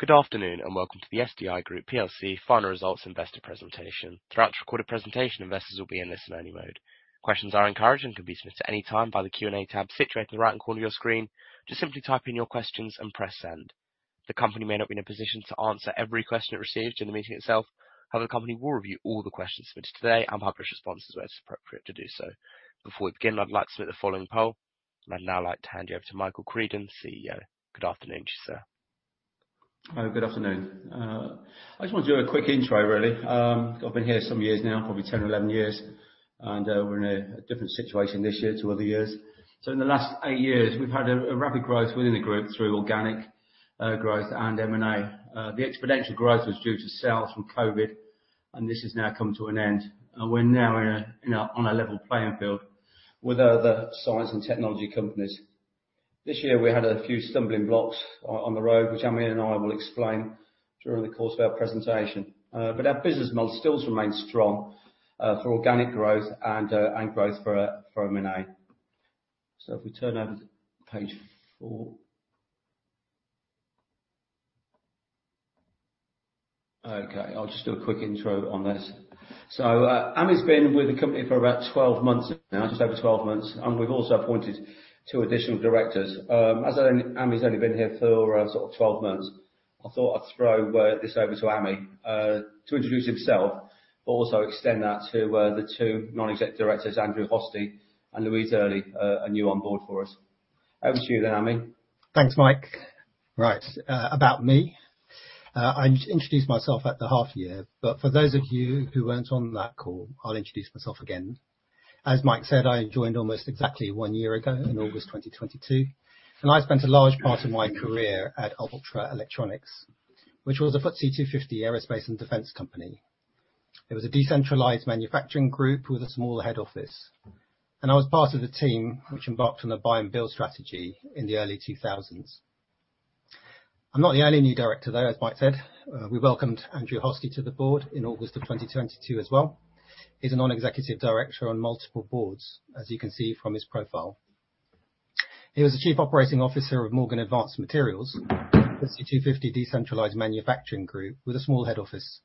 Good afternoon, welcome to the SDI Group plc final results investor presentation. Throughout this recorded presentation, investors will be in listen-only mode. Questions are encouraged and can be submitted at any time by the Q&A tab situated in the right corner of your screen. Just simply type in your questions and press Send. The company may not be in a position to answer every question it receives during the meeting itself, however, the company will review all the questions submitted today and publish responses where it's appropriate to do so. Before we begin, I'd like to submit the following poll. I'd now like to hand you over to Mike Creedon, CEO. Good afternoon to you, sir. Hi, good afternoon. I just want to do a quick intro, really. I've been here some years now, probably 10 or 11 years, and we're in a different situation this year to other years. In the last eight years, we've had a rapid growth within the group through organic growth and M&A. The exponential growth was due to sales from COVID, and this has now come to an end, and we're now on a level playing field with other science and technology companies. This year, we had a few stumbling blocks on the road, which Ami and I will explain during the course of our presentation. But our business model still remains strong for organic growth and growth for M&A. If we turn over to Page 4. Okay, I'll just do a quick intro on this. Ami's been with the company for about 12 months now, just over 12 months, and we've also appointed two additional directors. As I said, Ami's only been here for sort of 12 months. I thought I'd throw this over to Ami to introduce himself, but also extend that to the two non-exec directors, Andrew Hosty and Louise Early, are new on board for us. Over to you then, Ami. Thanks, Mike. Right, about me. I introduced myself at the half year, for those of you who weren't on that call, I'll introduce myself again. As Mike said, I joined almost exactly 1 year ago, in August 2022, I spent a large part of my career at Ultra Electronics, which was a FTSE 250 aerospace and defense company. It was a decentralized manufacturing group with a small head office, I was part of the team which embarked on a buy and build strategy in the early 2000s. I'm not the only new director, though, as Mike said. We welcomed Andrew Hosty to the board in August of 2022 as well. He's a non-executive director on multiple boards, as you can see from his profile. He was the Chief Operating Officer of Morgan Advanced Materials, a FTSE 250 decentralized manufacturing group with a small head office,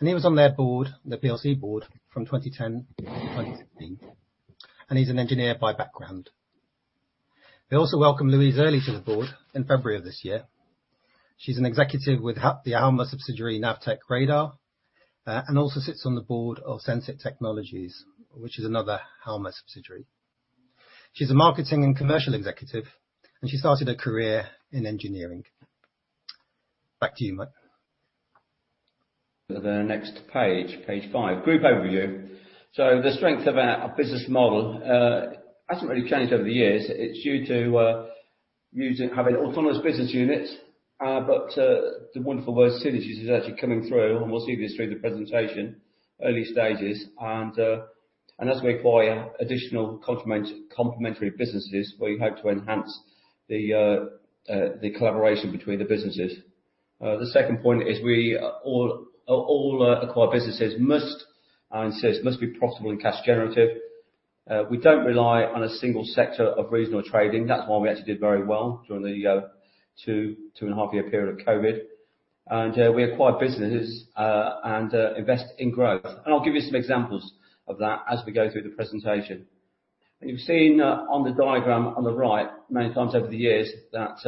and he was on their board, the PLC board, from 2010 to 2016. He's an engineer by background. We also welcomed Louise Early to the board in February of this year. She's an executive with the Halma subsidiary, Navtech Radar, and also sits on the board of SENSIT Technologies, which is another Halma subsidiary. She's a marketing and commercial executive, and she started her career in engineering. Back to you, Mike. To the next page, Page 5, Group Overview. The strength of our business model hasn't really changed over the years. It's due to having autonomous business units, but the wonderful word synergies is actually coming through, and we'll see this through the presentation, early stages, and as we acquire additional complementary businesses, we hope to enhance the collaboration between the businesses. The second point is we, all, acquired businesses must, I insist, must be profitable and cash generative. We don't rely on a single sector of regional trading. That's why we actually did very well during the two, two and half year period of COVID. We acquired businesses, and invest in growth. I'll give you some examples of that as we go through the presentation. You've seen, on the diagram on the right, many times over the years, that,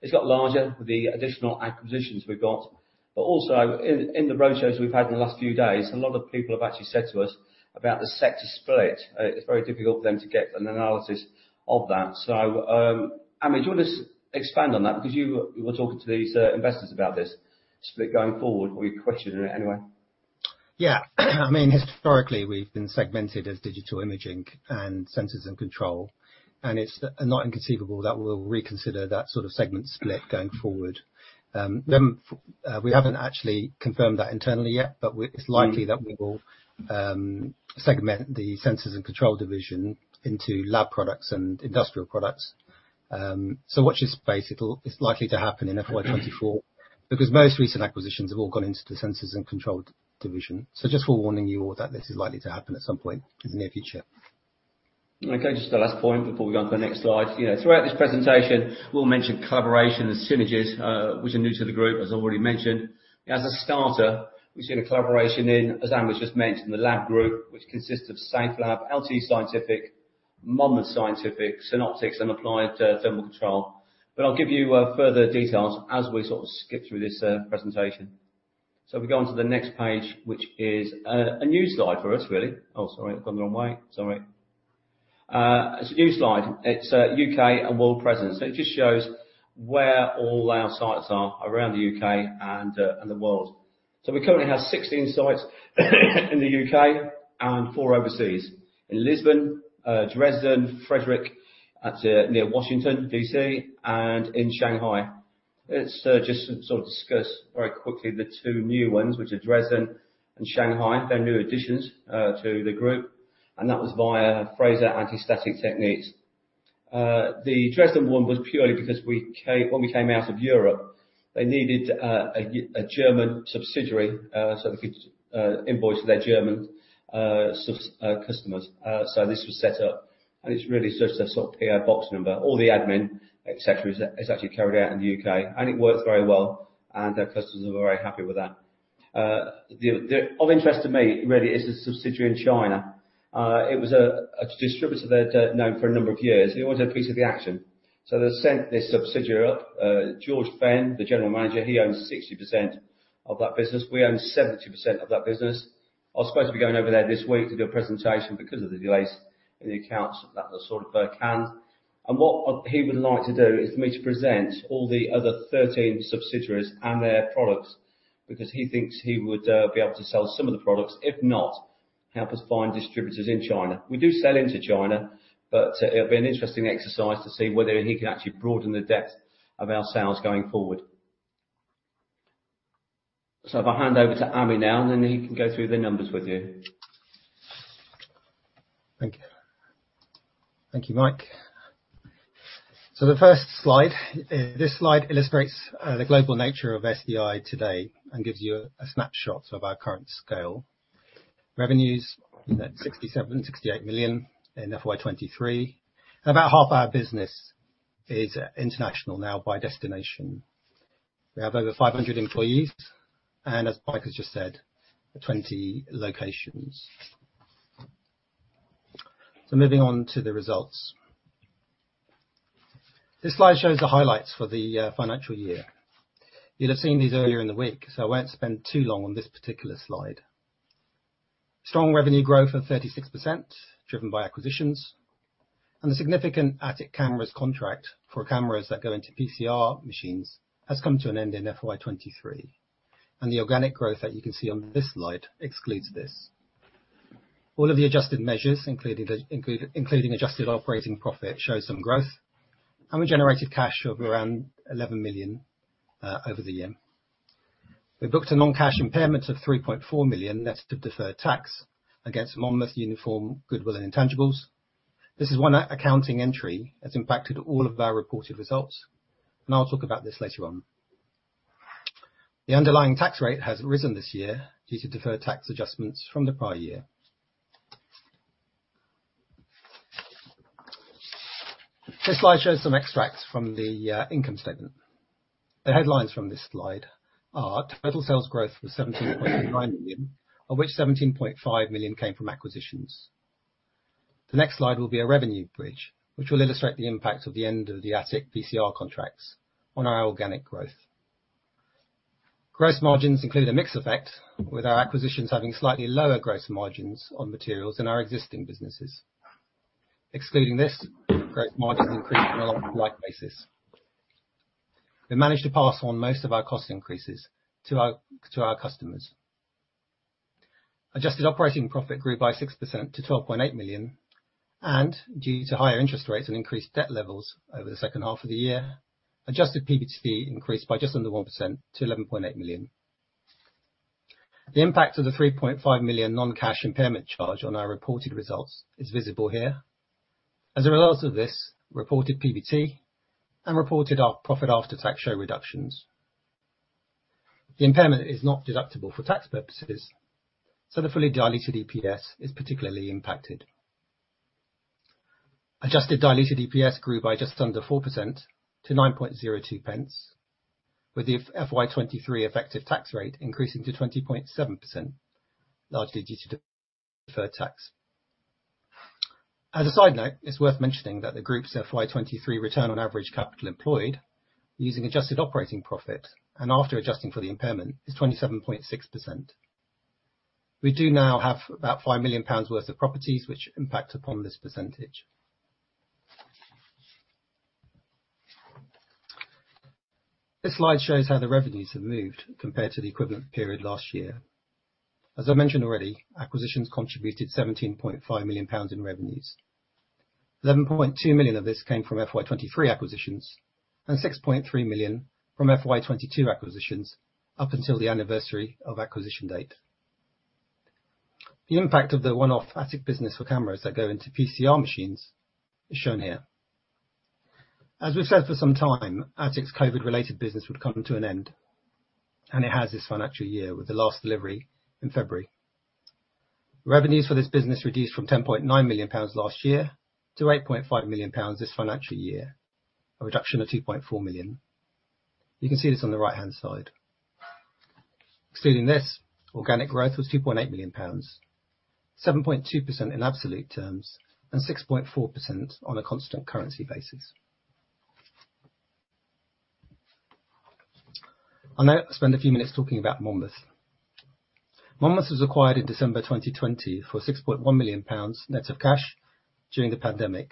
it's got larger, with the additional acquisitions we've got, but also in, in the roadshows we've had in the last few days, a lot of people have actually said to us about the sector split. It's very difficult for them to get an analysis of that. Ami, do you want to expand on that? Because you were talking to these, investors about this split going forward, or you questioned it anyway. Yeah. I mean, historically, we've been segmented as Digital Imaging and Sensors & Control, and it's not inconceivable that we'll reconsider that sort of segment split going forward. We haven't actually confirmed that internally yet, but it's likely that we will segment the Sensors & Control division into lab products and industrial products. Watch this space. It's likely to happen in FY 2024, because most recent acquisitions have all gone into the Sensors & Control division. Just forewarning you all that this is likely to happen at some point in the near future. Okay, just the last point before we go on to the next slide. You know, throughout this presentation, we'll mention collaboration and synergies, which are new to the group, as already mentioned. As a starter, we've seen a collaboration in, as Ami just mentioned, the lab group, which consists of Safelab, LTE Scientific, Monmouth Scientific, Synoptics and Applied Thermal Control. I'll give you further details as we sort of skip through this presentation. If we go on to the next page, which is a new slide for us, really. Oh, sorry, I've gone the wrong way. Sorry. It's a new slide. It's U.K and World Presence. It just shows where all our sites are around the U.K. and the world. We currently have 16 sites in the U.K. and four overseas: in Lisbon, Dresden, Frederick, at, near Washington, D.C., and in Shanghai. Let's just sort of discuss very quickly the two new ones, which are Dresden and Shanghai. They're new additions to the group. That was via Fraser Anti-Static Techniques. The Dresden one was purely because we came, when we came out of Europe, they needed a German subsidiary, so they could invoice their German scustomers. So this was set up, and it's really just a sort of P.O. box number. All the admin, et cetera, is actually carried out in the U.K., and it works very well, and our customers are very happy with that. The, of interest to me, really, is the subsidiary in China. It was a, a distributor that I'd known for a number of years. He always had a piece of the action. They sent this subsidiary up. George Fenn, the general manager, he owns 60% of that business. We own 70% of that business. I was supposed to be going over there this week to do a presentation. Because of the delays in the accounts, that was sort of canned. What he would like to do is for me to present all the other 13 subsidiaries and their products, because he thinks he would be able to sell some of the products, if not, help us find distributors in China. We do sell into China. It'll be an interesting exercise to see whether he can actually broaden the depth of our sales going forward. If I hand over to Ami now, and then he can go through the numbers with you. Thank you. Thank you, Mike. The first slide, this slide illustrates the global nature of SDI today and gives you a snapshot of our current scale. Revenues at 67 million-68 million in FY 2023, and about half our business is international now by destination. We have over 500 employees, and as Mike has just said, 20 locations. Moving on to the results. This slide shows the highlights for the financial year. You'd have seen these earlier in the week, so I won't spend too long on this particular slide. Strong revenue growth of 36%, driven by acquisitions, and the significant Atik Cameras contract for cameras that go into PCR machines, has come to an end in FY 2023, and the organic growth that you can see on this slide excludes this. All of the adjusted measures, including adjusted operating profit, show some growth, and we generated cash of around 11 million over the year. We booked a non-cash impairment of 3.4 million, net of deferred tax, against Monmouth and Uniform goodwill and intangibles. This is one accounting entry that's impacted all of our reported results, and I'll talk about this later on. The underlying tax rate has risen this year due to deferred tax adjustments from the prior year. This slide shows some extracts from the income statement. The headlines from this slide are: total sales growth was 17.9 million, of which 17.5 million came from acquisitions. The next slide will be a revenue bridge, which will illustrate the impact of the end of the Atik PCR contracts on our organic growth. Gross margins include a mix effect, with our acquisitions having slightly lower gross margins on materials than our existing businesses. Excluding this, gross margins increased on a like-like basis. We managed to pass on most of our cost increases to our, to our customers. Adjusted operating profit grew by 6% to 12.8 million, and due to higher interest rates and increased debt levels over the second half of the year, adjusted PBT increased by just under 1% to 11.8 million. The impact of the 3.5 million non-cash impairment charge on our reported results is visible here. As a result of this, reported PBT and reported profit after tax show reductions. The impairment is not deductible for tax purposes, so the fully diluted EPS is particularly impacted. Adjusted diluted EPS grew by just under 4% to 0.0902, with the FY 2023 effective tax rate increasing to 20.7%, largely due to deferred tax. As a side note, it's worth mentioning that the group's FY 2023 return on average capital employed, using adjusted operating profit and after adjusting for the impairment, is 27.6%. We do now have about 5 million pounds worth of properties which impact upon this percentage. This slide shows how the revenues have moved compared to the equivalent period last year. As I mentioned already, acquisitions contributed 17.5 million pounds in revenues. 11.2 million of this came from FY 2023 acquisitions and 6.3 million from FY 2022 acquisitions, up until the anniversary of acquisition date. The impact of the one-off Atik business for cameras that go into PCR machines is shown here. As we've said, for some time, Atik's COVID-related business would come to an end, and it has this financial year, with the last delivery in February. Revenues for this business reduced from 10.9 million pounds last year to 8.5 million pounds this financial year, a reduction of 2.4 million. You can see this on the right-hand side. Excluding this, organic growth was 2.8 million pounds, 7.2% in absolute terms, and 6.4% on a constant currency basis. I'll now spend a few minutes talking about Monmouth. Monmouth was acquired in December 2020 for 6.1 million pounds, net of cash, during the pandemic.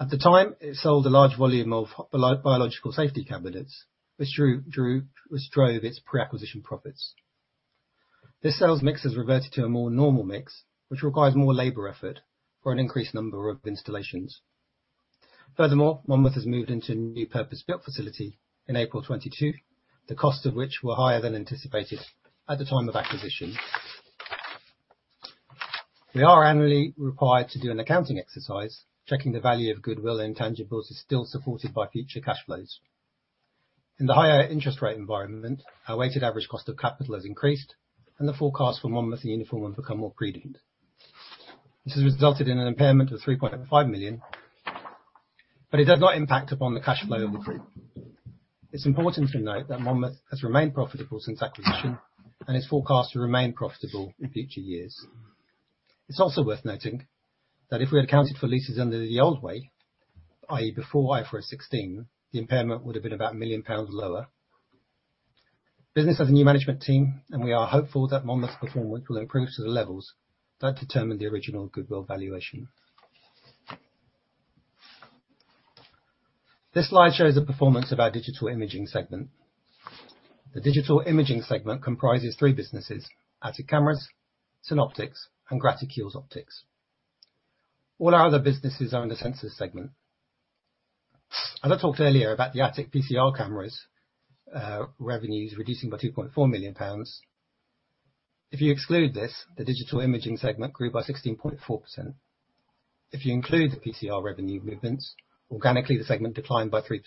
At the time, it sold a large volume of biological safety cabinets, which drove its pre-acquisition profits. This sales mix has reverted to a more normal mix, which requires more labor effort for an increased number of installations. Furthermore, Monmouth has moved into a new purpose-built facility in April 2022, the cost of which were higher than anticipated at the time of acquisition. We are annually required to do an accounting exercise, checking the value of goodwill and intangibles is still supported by future cash flows. In the higher interest rate environment, our weighted average cost of capital has increased, and the forecast for Monmouth and Uniform have become more prudent. This has resulted in an impairment of 3.5 million, but it does not impact upon the cash flow of the group. It's important to note that Monmouth has remained profitable since acquisition, and is forecast to remain profitable in future years. It's also worth noting that if we had accounted for leases under the old way, i.e., before IFRS 16, the impairment would have been about a million pound lower. Business has a new management team, and we are hopeful that Monmouth's performance will improve to the levels that determined the original goodwill valuation. This slide shows the performance of our Digital Imaging segment. The Digital Imaging segment comprises three businesses, Atik Cameras, Synoptics, and Graticules Optics. All our other businesses are in the Sensors & Control segment. As I talked earlier about the Atik PCR cameras, revenues reducing by 2.4 million pounds. If you exclude this, the Digital Imaging segment grew by 16.4%. If you include the PCR revenue movements, organically, the segment declined by 3%.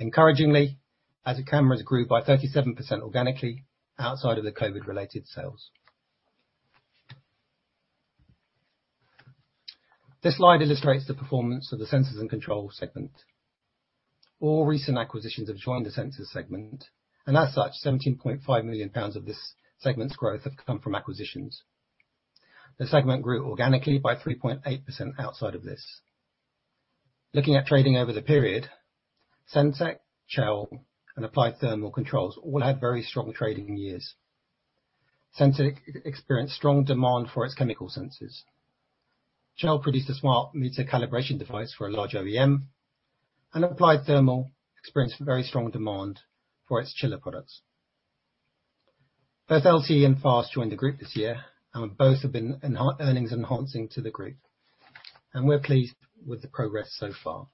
Encouragingly, the cameras grew by 37% organically outside of the COVID-related sales. This slide illustrates the performance of the Sensors & Control segment. All recent acquisitions have joined the Sensors & Control segment, and as such, 17.5 million pounds of this segment's growth have come from acquisitions. The segment grew organically by 3.8% outside of this. Looking at trading over the period, Sentek, Chell, and Applied Thermal Control all had very strong trading years. Sentek experienced strong demand for its chemical sensors. Chell produced a smart meter calibration device for a large OEM, and Applied Thermal Control experienced very strong demand for its chiller products. Both LTE and FAST joined the group this year, and both have been earnings enhancing to the group, and we're pleased with the progress so far.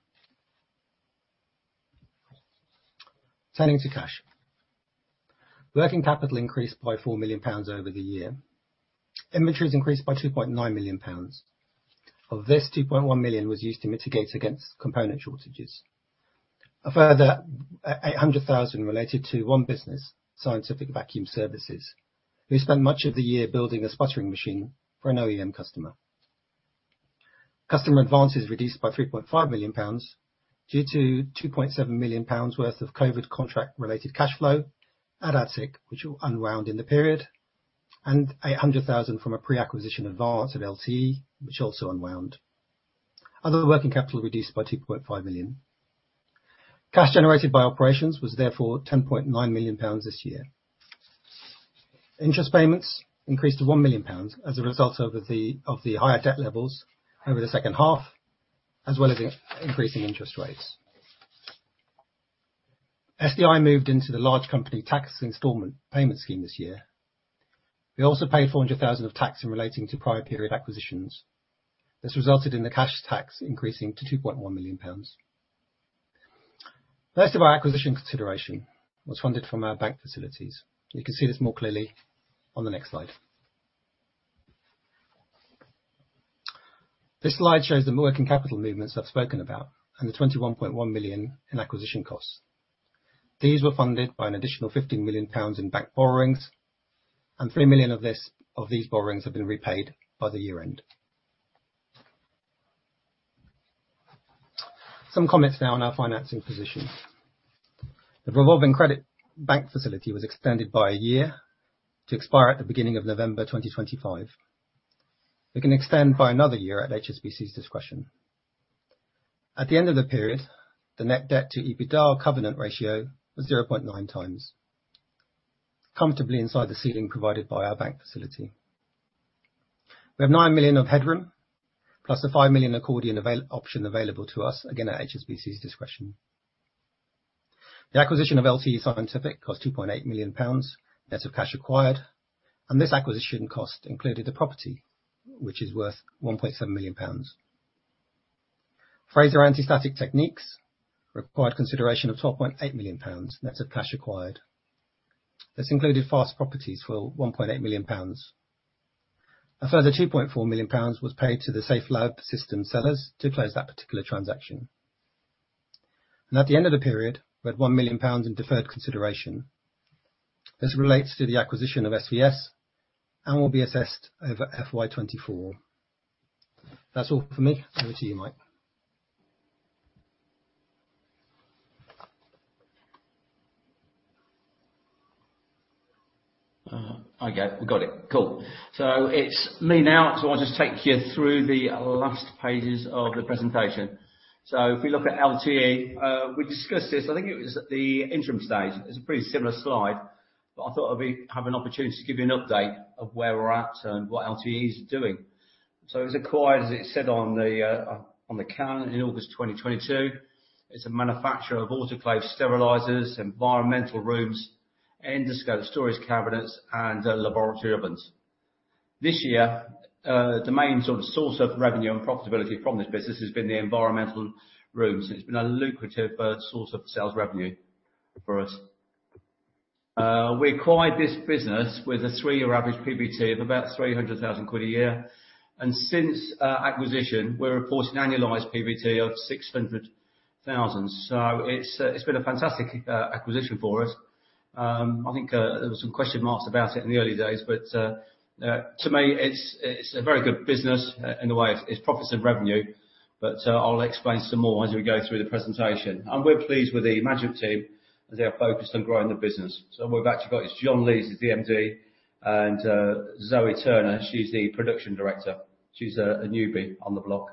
Turning to cash. Working capital increased by 4 million pounds over the year. Inventories increased by 2.9 million pounds. Of this, 2.1 million was used to mitigate against component shortages. A further 800,000 related to one business, Scientific Vacuum Systems, who spent much of the year building a sputtering machine for an OEM customer. Customer advances reduced by 3.5 million pounds, due to 2.7 million pounds worth of COVID contract related cash flow at Atik, which will unwound in the period, and 800,000 from a pre-acquisition advance of LTE, which also unwound. Other working capital reduced by 2.5 million. Cash generated by operations was therefore 10.9 million pounds this year. Interest payments increased to 1 million pounds as a result of the higher debt levels over the second half, as well as in increasing interest rates. SDI moved into the large company tax installment payment scheme this year. We also paid 400,000 of tax in relating to prior period acquisitions. This resulted in the cash tax increasing to 2.1 million pounds. Most of our acquisition consideration was funded from our bank facilities. You can see this more clearly on the next slide. This slide shows the working capital movements I've spoken about and the 21.1 million in acquisition costs. These were funded by an additional 15 million pounds in bank borrowings, 3 million of these borrowings have been repaid by the year-end. Some comments now on our financing position. The revolving credit bank facility was extended by a year to expire at the beginning of November 2025. It can extend by another year at HSBC's discretion. At the end of the period, the net debt to EBITDA covenant ratio was 0.9x, comfortably inside the ceiling provided by our bank facility. We have 9 million of headroom, plus a 5 million accordion option available to us, again, at HSBC's discretion. The acquisition of LTE Scientific cost 2.8 million pounds net of cash acquired, and this acquisition cost included the property, which is worth 1.7 million pounds. Fraser Anti-Static Techniques required consideration of 12.8 million pounds, net of cash acquired. This included FAST properties for 1.8 million pounds. A further 2.4 million pounds was paid to the Safelab Systems sellers to close that particular transaction. At the end of the period, we had 1 million pounds in deferred consideration. This relates to the acquisition of SVS and will be assessed over FY 2024. That's all for me. Over to you, Mike. Okay, got it. Cool. It's me now. I'll just take you through the last pages of the presentation. If we look at LTE, we discussed this, I think it was at the interim stage. It's a pretty similar slide, but I thought I'd have an opportunity to give you an update of where we're at and what LTE is doing. It was acquired, as it said on the calendar, in August 2022. It's a manufacturer of autoclave sterilizers, environmental rooms, endoscope storage cabinets, and laboratory ovens. This year, the main sort of source of revenue and profitability from this business has been the environmental rooms. It's been a lucrative source of sales revenue for us. We acquired this business with a three-year average PBT of about 300,000 quid a year, and since acquisition, we're reporting annualized PBT of 600,000. So it's been a fantastic acquisition for us. I think there were some question marks about it in the early days, but to me, it's a very good business in a way. It's profits and revenue, but I'll explain some more as we go through the presentation. We're pleased with the management team, as they are focused on growing the business. We've actually got John Lees, the MD, and Zoe Turner, she's the production director. She's a newbie on the block.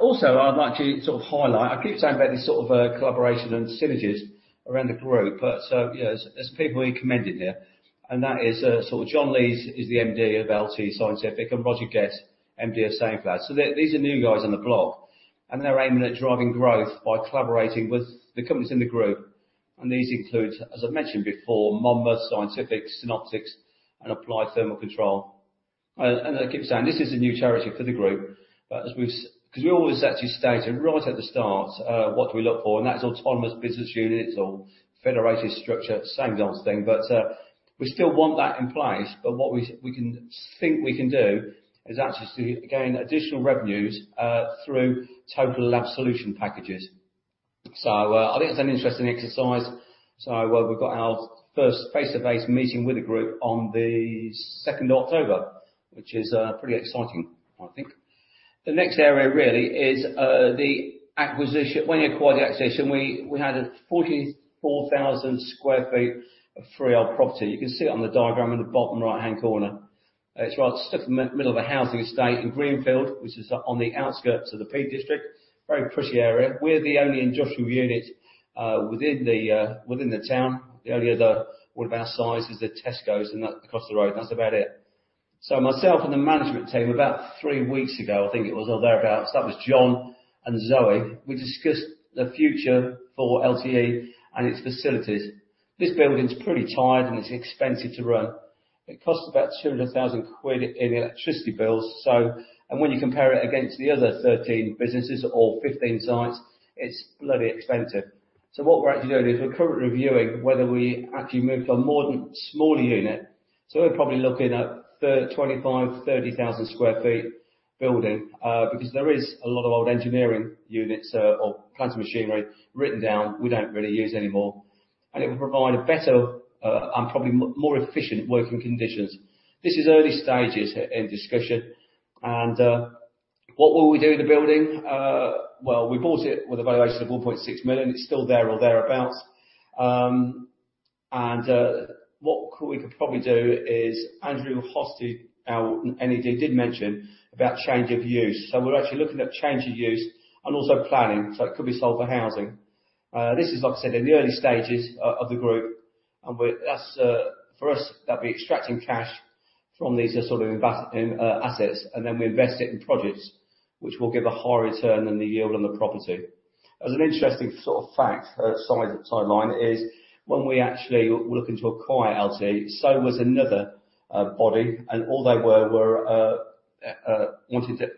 Also, I'd like to sort of highlight... I keep saying about this sort of collaboration and synergies around the group, but, you know, as, as people we commended here, and that is, sort of John Lees is the MD of LTE Scientific, and Roger Guess, MD of Safelab. These are new guys on the block, and they're aiming at driving growth by collaborating with the companies in the group. These include, as I've mentioned before, Monmouth Scientific, Synoptics, and Applied Thermal Control. I keep saying this is a new territory for the group, but as we've because we always actually stated right at the start, what do we look for? That's autonomous business units or federated structure, same dance thing, but we still want that in place, but what we, we can think we can do, is actually to gain additional revenues through total lab solution packages. I think it's an interesting exercise. Well, we've got our first face-to-face meeting with the group on the 2nd October, which is pretty exciting, I think. The next area really is the acquisition. When we acquired the acquisition, we, we had a 44,000 sq ft of freehold property. You can see it on the diagram in the bottom right-hand corner. It's right stuck in the middle of a housing estate in Greenfield, which is on the outskirts of the Peak District. Very pretty area. We're the only industrial unit within the within the town. The only other one of our size is the Tesco, that's across the road, that's about it. Myself and the management team, about three weeks ago, I think it was, or thereabout, so that was John and Zoe. We discussed the future for LTE and its facilities. This building's pretty tired, and it's expensive to run. It costs about 200,000 quid in electricity bills, so. When you compare it against the other 13 businesses or 15 sites, it's bloody expensive. What we're actually doing is we're currently reviewing whether we actually move to a more smaller unit. We're probably looking at 25,000 ft-30,000 sq ft building, because there is a lot of old engineering units, or kinds of machinery written down, we don't really use anymore, and it will provide a better, and probably more efficient working conditions. This is early stages in discussion, and what will we do with the building? Well, we bought it with a valuation of 1.6 million. It's still there or thereabout. And what we could probably do is, Andrew Hosty, our NED, did mention about change of use. We're actually looking at change of use and also planning, so it could be sold for housing. This is, like I said, in the early stages of the group, and we're That's for us, that'd be extracting cash from these sort of invest in assets, and then we invest it in projects which will give a higher return than the yield on the property. As an interesting sort of fact, side, sideline is, when we actually were looking to acquire LTE, so was another body, and all they were, were,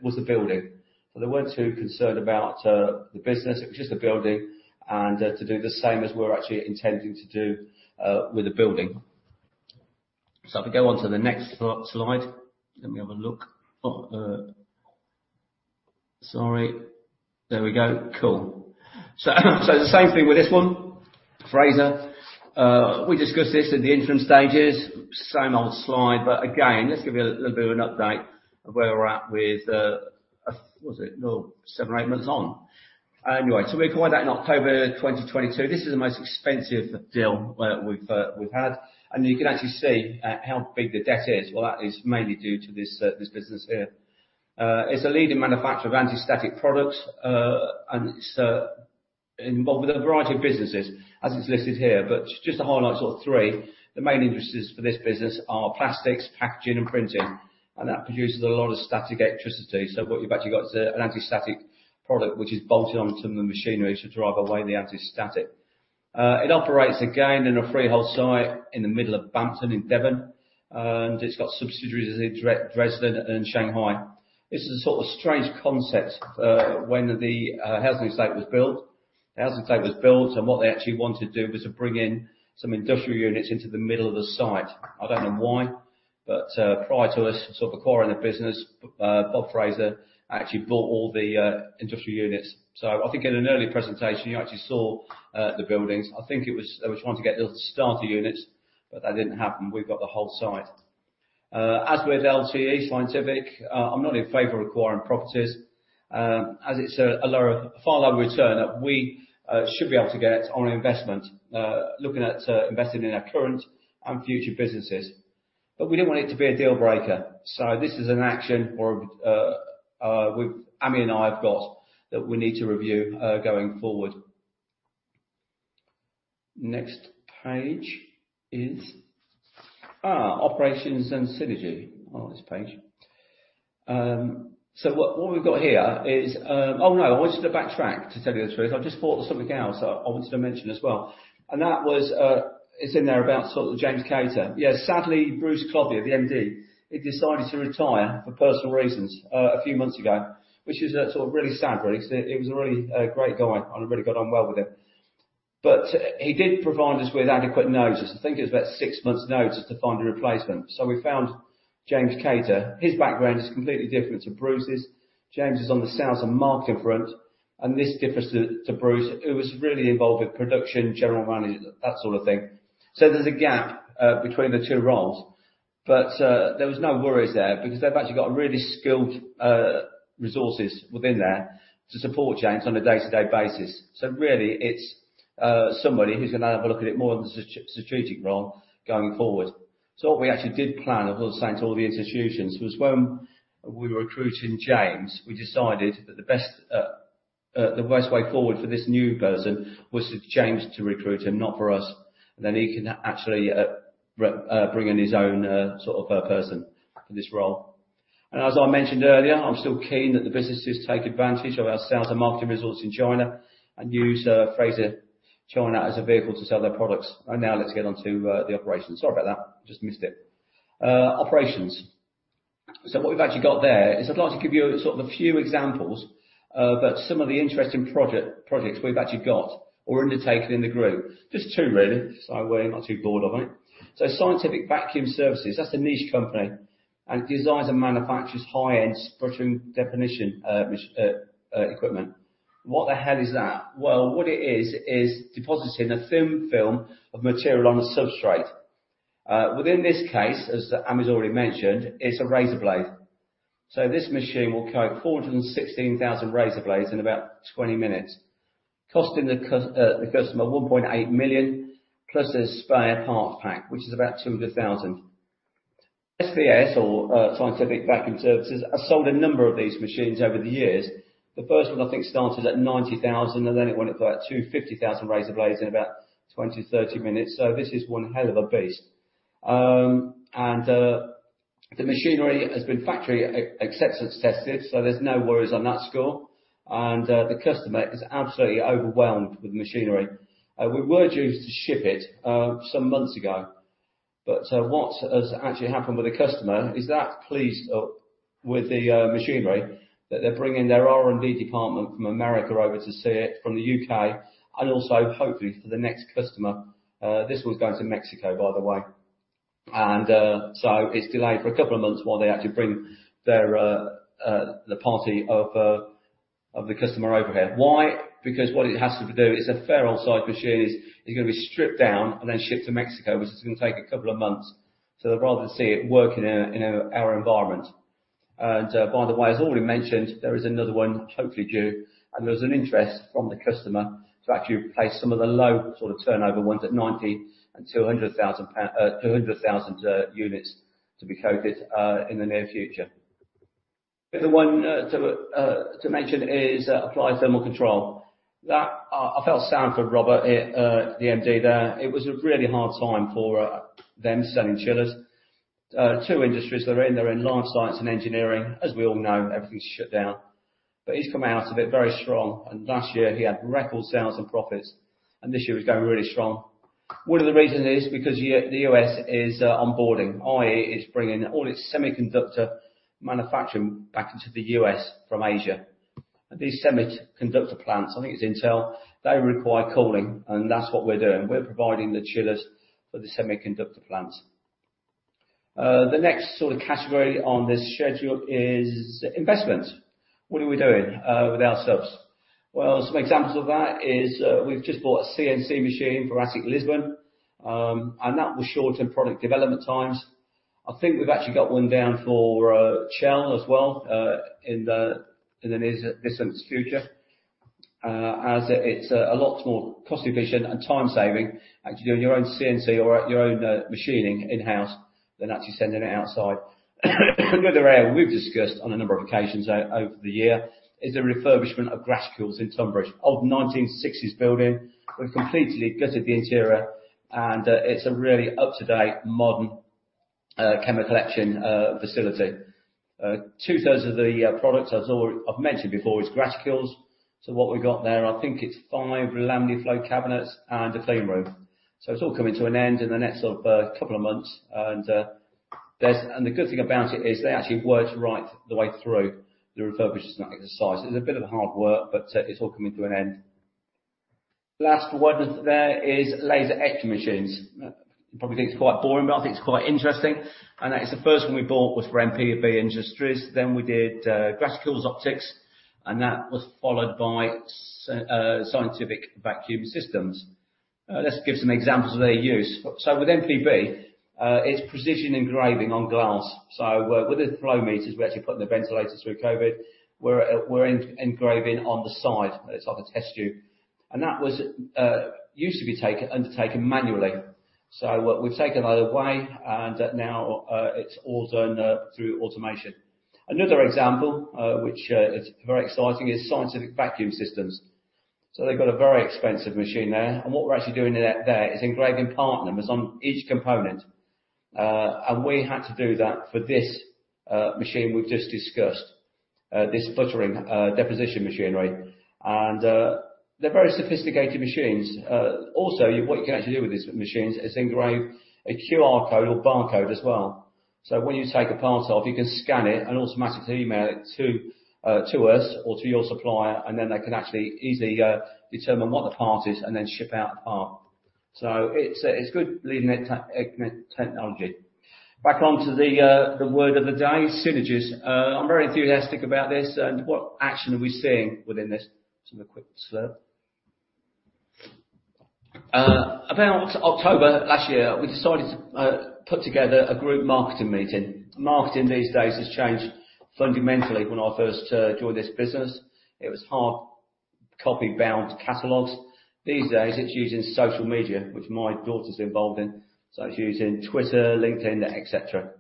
Was the building. They weren't too concerned about the business. It was just the building and to do the same as we're actually intending to do with the building. If we go on to the next slide, let me have a look. Sorry. There we go. Cool. The same thing with this one, Fraser. We discussed this in the interim stages. Same old slide, but again, let's give you a little bit of an update of where we're at with, what is it? Seven or eight months on. We acquired that in October 2022. This is the most expensive deal we've, we've had, and you can actually see, how big the debt is. Well, that is mainly due to this, this business here. It's a leading manufacturer of anti-static products, and it's, involved with a variety of businesses, as is listed here, but just to highlight sort of three, the main interests for this business are plastics, packaging, and printing, and that produces a lot of static electricity. What you've actually got is an anti-static product, which is bolted onto the machinery to drive away the anti-static. It operates again in a freehold site in the middle of Bampton, in Devon, and it's got subsidiaries in Dresden and Shanghai. This is a sort of strange concept. When the housing estate was built, the housing estate was built, and what they actually wanted to do was to bring in some industrial units into the middle of the site. I don't know why, but prior to us sort of acquiring the business, Bob Fraser actually bought all the industrial units. I think in an earlier presentation, you actually saw the buildings. I was trying to get little starter units, but that didn't happen, we've got the whole site. As with LTE Scientific, I'm not in favor of acquiring properties, as it's a far lower return that we should be able to get on investment, looking at investing in our current and future businesses. We didn't want it to be a deal breaker, so this is an action or Amy and I have got that we need to review going forward. Next page is operations and synergy on this page. What, what we've got here is oh, no, I wanted to backtrack, to tell you the truth. I've just thought of something else I wanted to mention as well, and that was it's in there about sort of the James Cater. Yeah, sadly, Bruce Clothier, the MD, he decided to retire for personal reasons, a few months ago, which is sort of really sad, really, because he was a really great guy, and I really got on well with him. He did provide us with adequate notice. I think it was about six months notice to find a replacement. We found James Cater. His background is completely different to Bruce's. James is on the sales and marketing front, and this differs to Bruce, who was really involved with production, general manage that sort of thing. There's a gap between the two roles, but, there was no worries there because they've actually got really skilled resources within there to support James on a day-to-day basis. Really, it's somebody who's gonna have a look at it more than a strategic role going forward. What we actually did plan, and we were saying to all the institutions, was when we were recruiting James, we decided that the best way forward for this new person was for James to recruit him, not for us, and then he can actually bring in his own sort of person for this role. As I mentioned earlier, I'm still keen that the businesses take advantage of our sales and marketing resource in China and use Fraser China as a vehicle to sell their products. Now let's get on to the operations. Sorry about that. Just missed it. Operations. What we've actually got there is I'd like to give you sort of a few examples, but some of the interesting projects we've actually got or undertaken in the group, just two, really, so we're not too bored of it. Scientific Vacuum Systems, that's a niche company, and it designs and manufactures high-end sputtering deposition equipment. What the hell is that? Well, what it is, is depositing a thin film of material on a substrate. Within this case, as Ami has already mentioned, it's a razor blade. This machine will coat 416,000 razor blades in about 20 minutes, costing the customer 1.8 million, plus a spare parts pack, which is about 200,000. SVS or Scientific Vacuum Systems, has sold a number of these machines over the years. The first one, I think, started at 90,000, and then it went up to about 250,000 razor blades in about 20, 30 minutes. This is one hell of a beast. The machinery has been factory accepted, tested, so there's no worries on that score, and the customer is absolutely overwhelmed with the machinery. We were due to ship it some months ago, but what has actually happened with the customer is they're pleased with the machinery that they're bringing their R&D department from America over to see it from the U.K., and also hopefully for the next customer. This one's going to Mexico, by the way. It's delayed for a couple of months while they actually bring their the party of the customer over here. Why? What it has to do is a fair old-site machine is gonna be stripped down and then shipped to Mexico, which is gonna take a couple of months. They'd rather see it work in our environment. By the way, as already mentioned, there is another one totally due, and there's an interest from the customer to actually replace some of the low sort of turnover ones at 90,000 and 200,000 units to be coated in the near future. The one to mention is Applied Thermal Control. I felt Sanford Robert, the MD there, it was a really hard time for them selling chillers. Two industries they're in. They're in life science and engineering. As we all know, everything's shut down, but he's come out of it very strong, and last year, he had record sales and profits, and this year, he's going really strong. One of the reasons is because the U.S. is onboarding, i.e., it's bringing all its semiconductor manufacturing back into the U.S. from Asia. These semiconductor plants, I think it's Intel, they require cooling, and that's what we're doing. We're providing the chillers for the semiconductor plants. The next sort of category on this schedule is investment. What are we doing with ourselves? Well, some examples of that is, we've just bought a CNC machine for Atik Lisbon, and that was short in product development times. I think we've actually got one down for Chell as well, in the, in the near, recent future, as it's a lot more cost-efficient and time-saving, actually doing your own CNC or your own machining in-house than actually sending it outside. Another area we've discussed on a number of occasions over the year is the refurbishment of Graticules in Tonbridge. Old 1960s building. We've completely gutted the interior, and it's a really up-to-date, modern chemical etching facility. Two-thirds of the products, as I've mentioned before, is graticules. What we've got there, I think it's five laminar flow cabinets and a clean room. It's all coming to an end in the next couple of months, and the good thing about it is they actually worked right the way through the refurbishment exercise. It's a bit of hard work, but it's all coming to an end. Last one there is laser etching machines. You probably think it's quite boring, but I think it's quite interesting, and that is the first one we bought was for MPB Industries, then we did Graticules Optics, and that was followed by Scientific Vacuum Systems. Let's give some examples of their use. With MPB, it's precision engraving on glass. With the flow meters, we're actually putting the ventilators through COVID, we're engraving on the side. It's like a test tube. That was used to be undertaken manually. We've taken that away, and now it's all done through automation. Another example, which is very exciting, is Scientific Vacuum Systems. They've got a very expensive machine there, and what we're actually doing there, there is engraving part numbers on each component, and we had to do that for this machine we've just discussed, this sputtering deposition machinery, and they're very sophisticated machines. Also, what you can actually do with these machines is engrave a QR code or barcode as well. When you take a part off, you can scan it and automatically email it to us or to your supplier, and then they can actually easily determine what the part is and then ship out the part. It's good leading edge technology. Back onto the word of the day, synergies. I'm very enthusiastic about this and what action are we seeing within this? Just a quick slurp. About October last year, we decided to put together a group marketing meeting. Marketing these days has changed fundamentally when I first joined this business. It was hard copy-bound catalogs. These days, it's using social media, which my daughter's involved in, so it's using Twitter, LinkedIn, et cetera.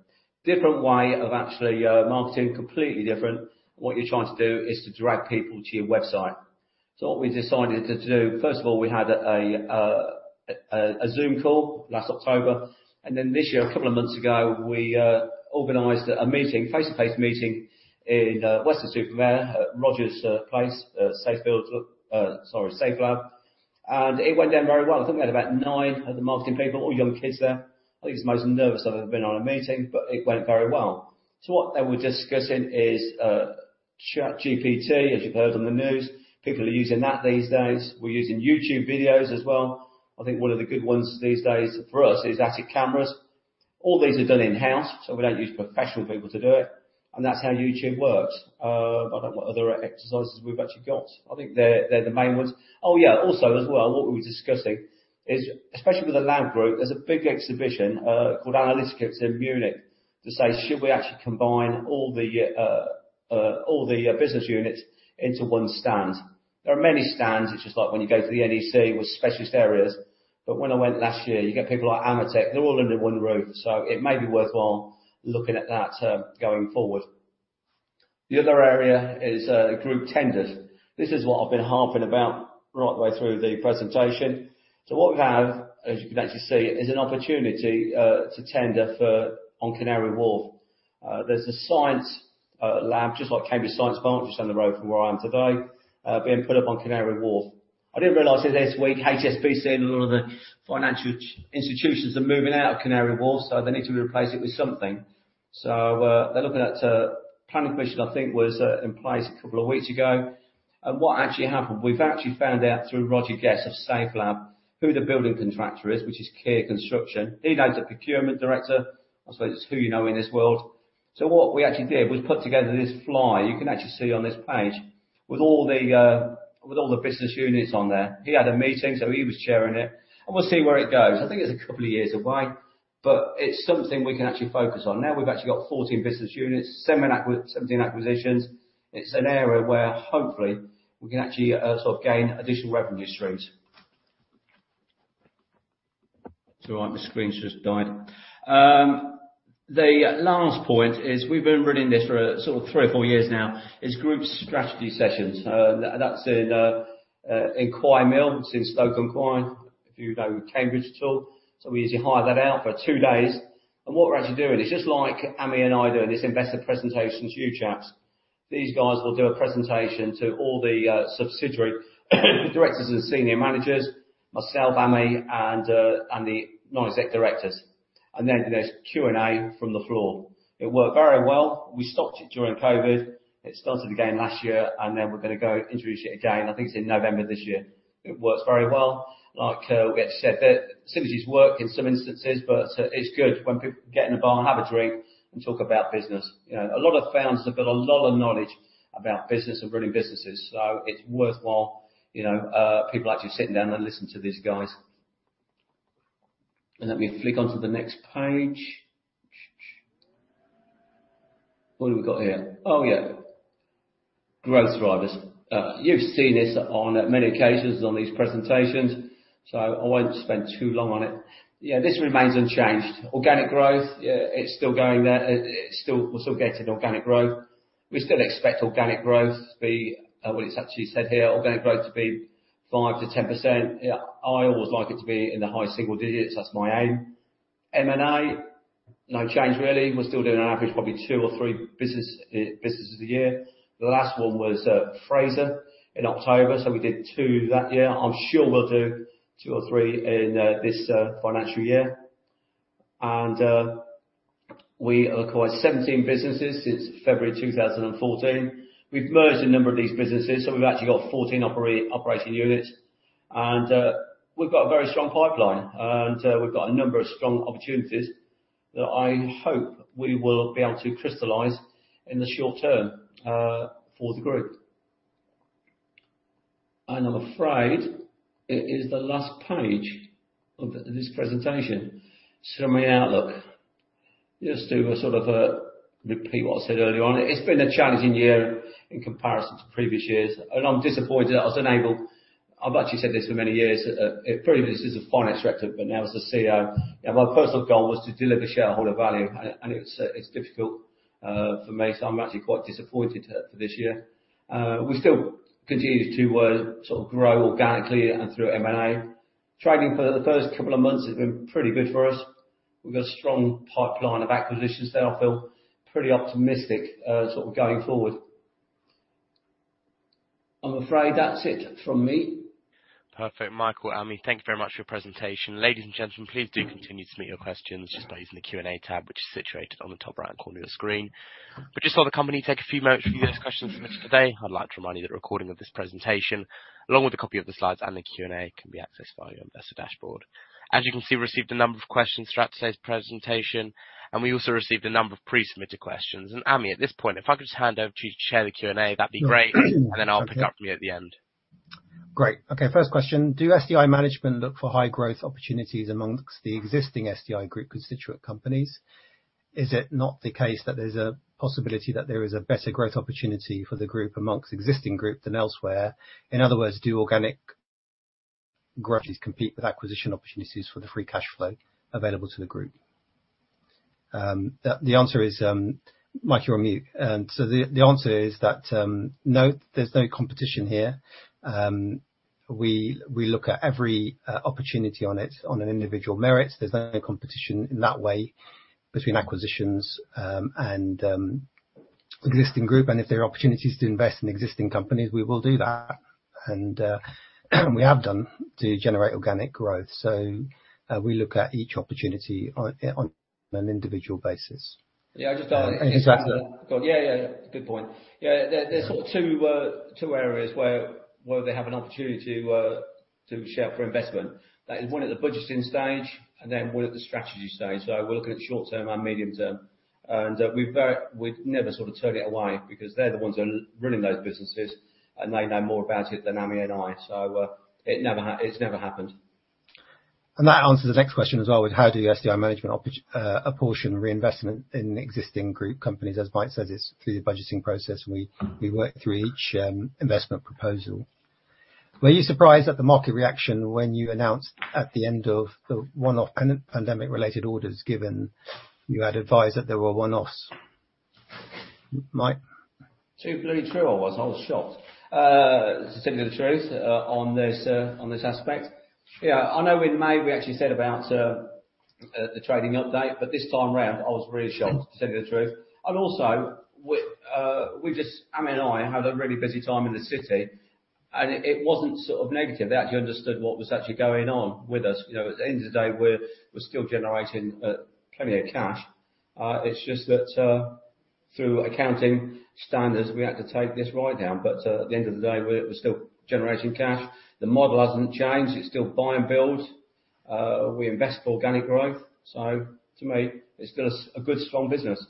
Different way of actually marketing, completely different. What you're trying to do is to drag people to your website. What we decided to do, first of all, we had a Zoom call last October, and then this year, a couple of months ago, we organized a meeting, face-to-face meeting in Weston-super-Mare at Roger's place, Safelab. It went down very well. I think we had about nine of the marketing people, all young kids there. I think it's the most nervous I've ever been on a meeting, but it went very well. What they were discussing is ChatGPT, as you've heard on the news, people are using that these days. We're using YouTube videos as well. I think one of the good ones these days for us is Atik Cameras. All these are done in-house, so we don't use professional people to do it, and that's how YouTube works. I don't know what other exercises we've actually got. I think they're, they're the main ones. Oh, yeah, also as well, what we were discussing is, especially with the lab group, there's a big exhibition, called Analytica. It's in Munich, to say, should we actually combine all the, all the, business units into one stand? There are many stands, which is like when you go to the NEC with specialist areas, but when I went last year, you get people like AMETEK, they're all under one roof, so it may be worthwhile looking at that going forward. The other area is group tenders. This is what I've been harping about right the way through the presentation. What we have, as you can actually see, is an opportunity to tender for. On Canary Wharf. There's a science lab, just like Cambridge Science Park, just down the road from where I am today, being put up on Canary Wharf. I didn't realize it this week, HSBC and a lot of the financial institutions are moving out of Canary Wharf, they need to replace it with something. They're looking at planning permission, I think, was in place two weeks ago. What actually happened, we've actually found out through Roger Guess of Safelab, who the building contractor is, which is Kier Construction. He knows the procurement director. I suppose it's who you know in this world. What we actually did, we put together this flyer, you can actually see on this page, with all the business units on there. He had a meeting, so he was sharing it, and we'll see where it goes. I think it's two years away, but it's something we can actually focus on. We've actually got 14 business units, 17 acquisitions. It's an area where hopefully we can actually sort of gain additional revenue streams. It's all right, my screen's just died. The last point is, we've been running this for sort of three or four years now, is group strategy sessions. That's in Colloid Mill. It's in Congleton, if you know Cambridge at all. We usually hire that out for two days. What we're actually doing is just like Ami and I doing this investor presentation to you chaps, these guys will do a presentation to all the subsidiary, directors and senior managers, myself, Ami, and the non-exec directors. Then there's Q&A from the floor. It worked very well. We stopped it during COVID. It started again last year, then we're gonna go introduce it again. I think it's in November this year. It works very well. Like, we actually said, the synergies work in some instances, but it's good when people get in a bar and have a drink and talk about business. You know, a lot of founders have got a lot of knowledge about business and running businesses, so it's worthwhile, you know, people actually sitting down and listening to these guys. Let me flick onto the next page. What have we got here? Oh, yeah, growth drivers. You've seen this on many occasions on these presentations, so I won't spend too long on it. Yeah, this remains unchanged. Organic growth, it's still going there. We're still getting organic growth. We still expect organic growth to be what it's actually said here, organic growth to be 5%-10%. Yeah, I always like it to be in the high single digits. That's my aim. M&A, no change really. We're still doing on average, probably two or three business businesses a year. The last one was Fraser in October, so we did two that year. I'm sure we'll do two or three in this financial year. We acquired 17 businesses since February 2014. We've merged a number of these businesses, so we've actually got 14 operating units, we've got a very strong pipeline, we've got a number of strong opportunities that I hope we will be able to crystallize in the short term for the group. I'm afraid it is the last page of this presentation. Summary outlook. Just to sort of repeat what I said earlier on, it's been a challenging year in comparison to previous years. I'm disappointed that I was unable. I've actually said this for many years, previously as a Finance Director, but now as a CEO. My personal goal was to deliver shareholder value, and it's difficult for me. I'm actually quite disappointed for this year. We still continue to sort of grow organically and through M&A. Trading for the first couple of months has been pretty good for us. We've got a strong pipeline of acquisitions that I feel pretty optimistic sort of going forward I'm afraid that's it from me. Perfect. Michael, Ami, thank you very much for your presentation. Ladies and gentlemen, please do continue to submit your questions just by using the Q&A tab, which is situated on the top right corner of the screen. Just while the company take a few moments for you those questions submitted today, I'd like to remind you that a recording of this presentation, along with a copy of the slides and the Q&A, can be accessed via your investor dashboard. As you can see, we received a number of questions throughout today's presentation, and we also received a number of pre-submitted questions. Ami, at this point, if I could just hand over to you to chair the Q&A, that'd be great. Then I'll pick up again at the end. Great. Okay, first question: Do SDI Group management look for high growth opportunities amongst the existing SDI Group constituent companies? Is it not the case that there's a possibility that there is a better growth opportunity for the group amongst existing group than elsewhere? In other words, do organic groceries compete with acquisition opportunities for the free cash flow available to the group? The, the answer is, Mike, you're on mute. The, the answer is that no, there's no competition here. We, we look at every opportunity on it on an individual merit. There's no competition in that way between acquisitions, and existing group. If there are opportunities to invest in existing companies, we will do that, and we have done to generate organic growth. We look at each opportunity on, on an individual basis. Yeah, I just. Exactly. Yeah, yeah, good point. There, there's sort of two areas where, where they have an opportunity to shop for investment. That is one at the budgeting stage and then one at the strategy stage. We're looking at short term and medium term, and we'd never sort of turn it away because they're the ones who are running those businesses, and they know more about it than Ami and I. It never it's never happened. That answers the next question as well, is how do SDI Management apportion reinvestment in existing group companies? As Mike says, it's through the budgeting process. We, we work through each investment proposal. Were you surprised at the market reaction when you announced at the end of the one-off pandemic-related orders, given you had advised that there were one-offs? Mike? Too bloody true, I was. I was shocked, to tell you the truth, on this, on this aspect. Yeah, I know in May, we actually said about the trading update, but this time around, I was really shocked, to tell you the truth. Also, Ami and I had a really busy time in the city, and it, it wasn't sort of negative. They actually understood what was actually going on with us. You know, at the end of the day, we're, we're still generating plenty of cash. It's just that, through accounting standards, we had to take this write down, but at the end of the day, we're, we're still generating cash. The model hasn't changed. It's still buy and build. We invest for organic growth, so to me, it's still a good, strong business.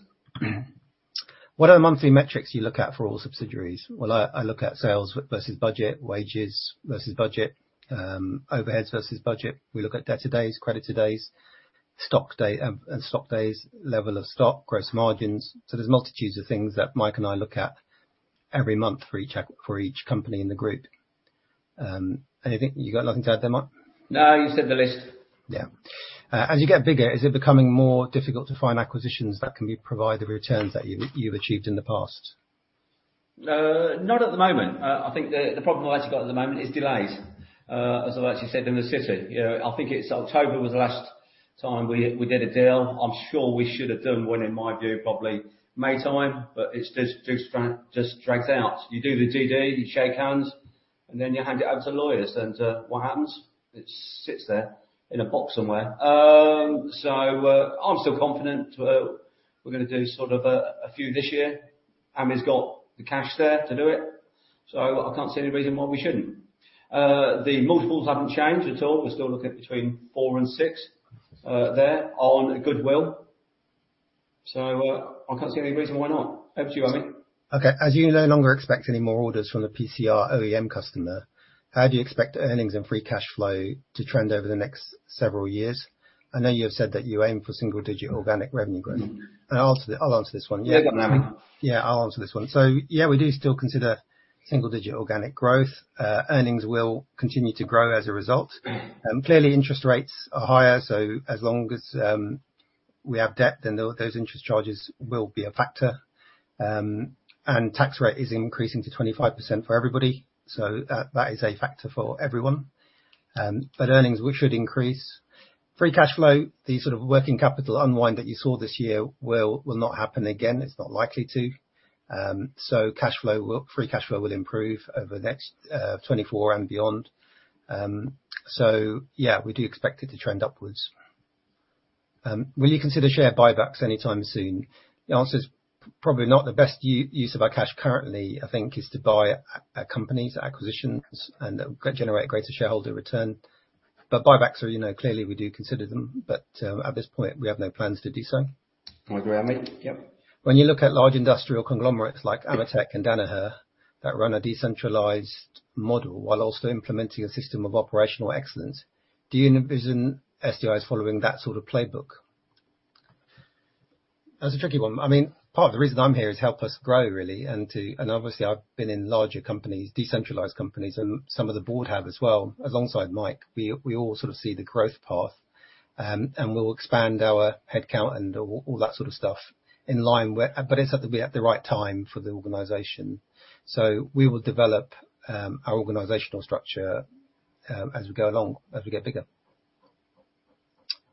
What are the monthly metrics you look at for all subsidiaries? Well, I, I look at sales versus budget, wages versus budget, overheads versus budget. We look at debt to days, credit to days, stock day, and stock days, level of stock, gross margins. There's multitudes of things that Mike and I look at every month for each company in the group. Anything? You got nothing to add there, Mike? No, you said the list. Yeah. As you get bigger, is it becoming more difficult to find acquisitions that can be provide the returns that you, you've achieved in the past? Not at the moment. I think the, the problem I actually got at the moment is delays, as I've actually said in the city. You know, I think it's October was the last time we, we did a deal. I'm sure we should have done one, in my view, probably May time, but it's just, just drags out. You do the DD, you shake hands, and then you hand it over to lawyers, and what happens? It sits there in a box somewhere. I'm still confident, we're gonna do sort of a few this year. Ami's got the cash there to do it, I can't see any reason why we shouldn't. The multiples haven't changed at all. We're still looking at between 4 and 6 there on goodwill. I can't see any reason why not. Over to you, Ami. Okay. As you no longer expect any more orders from the PCR OEM customer, how do you expect earnings and free cash flow to trend over the next several years? I know you have said that you aim for single-digit organic revenue growth. I'll answer, I'll answer this one. You got it, Ami. Yeah, I'll answer this one. Yeah, we do still consider single-digit organic growth. Earnings will continue to grow as a result. Clearly, interest rates are higher, so as long as we have debt, then those interest charges will be a factor. Tax rate is increasing to 25% for everybody, so that, that is a factor for everyone. Earnings, we should increase. Free cash flow, the sort of working capital unwind that you saw this year will, will not happen again. It's not likely to. Free cash flow will improve over the next 24 and beyond. Yeah, we do expect it to trend upwards. Will you consider share buybacks anytime soon? The answer is probably not. The best use of our cash currently, I think, is to buy companies, acquisitions, and that generate greater shareholder return. Buybacks are, you know, clearly, we do consider them, but, at this point, we have no plans to do so. I agree, Ami. Yep. When you look at large industrial conglomerates like AMETEK and Danaher that run a decentralized model while also implementing a system of operational excellence, do you envision SDIs following that sort of playbook? That's a tricky one. I mean, part of the reason I'm here is help us grow, really, and obviously, I've been in larger companies, decentralized companies, and some of the board have as well, alongside Mike. We, we all sort of see the growth path, and we'll expand our headcount and all, all that sort of stuff in line with. It's up to be at the right time for the organization. We will develop our organizational structure as we go along, as we get bigger.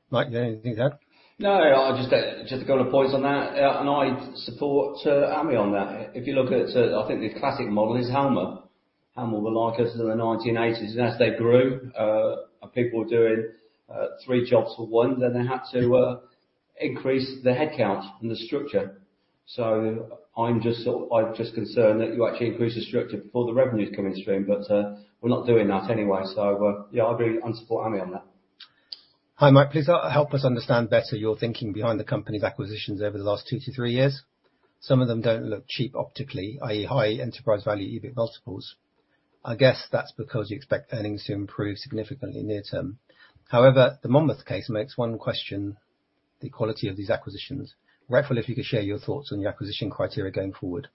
Mike, you have anything to add? No, I just, just a couple of points on that. I support Ami on that. If you look at, I think the classic model is Halma. Halma were like us in the 1980s, and as they grew, and people were doing, three jobs for one, then they had to increase the headcount and the structure. I'm just concerned that you actually increase the structure before the revenues come in stream. We're not doing that anyway. Yeah, I agree, and support Ami on that. Hi, Mike, please help us understand better your thinking behind the company's acquisitions over the last two to three years. Some of them don't look cheap optically, i.e., high enterprise value, EBIT multiples. I guess that's because you expect earnings to improve significantly near term. The Monmouth case makes one question the quality of these acquisitions. Grateful if you could share your thoughts on your acquisition criteria going forward.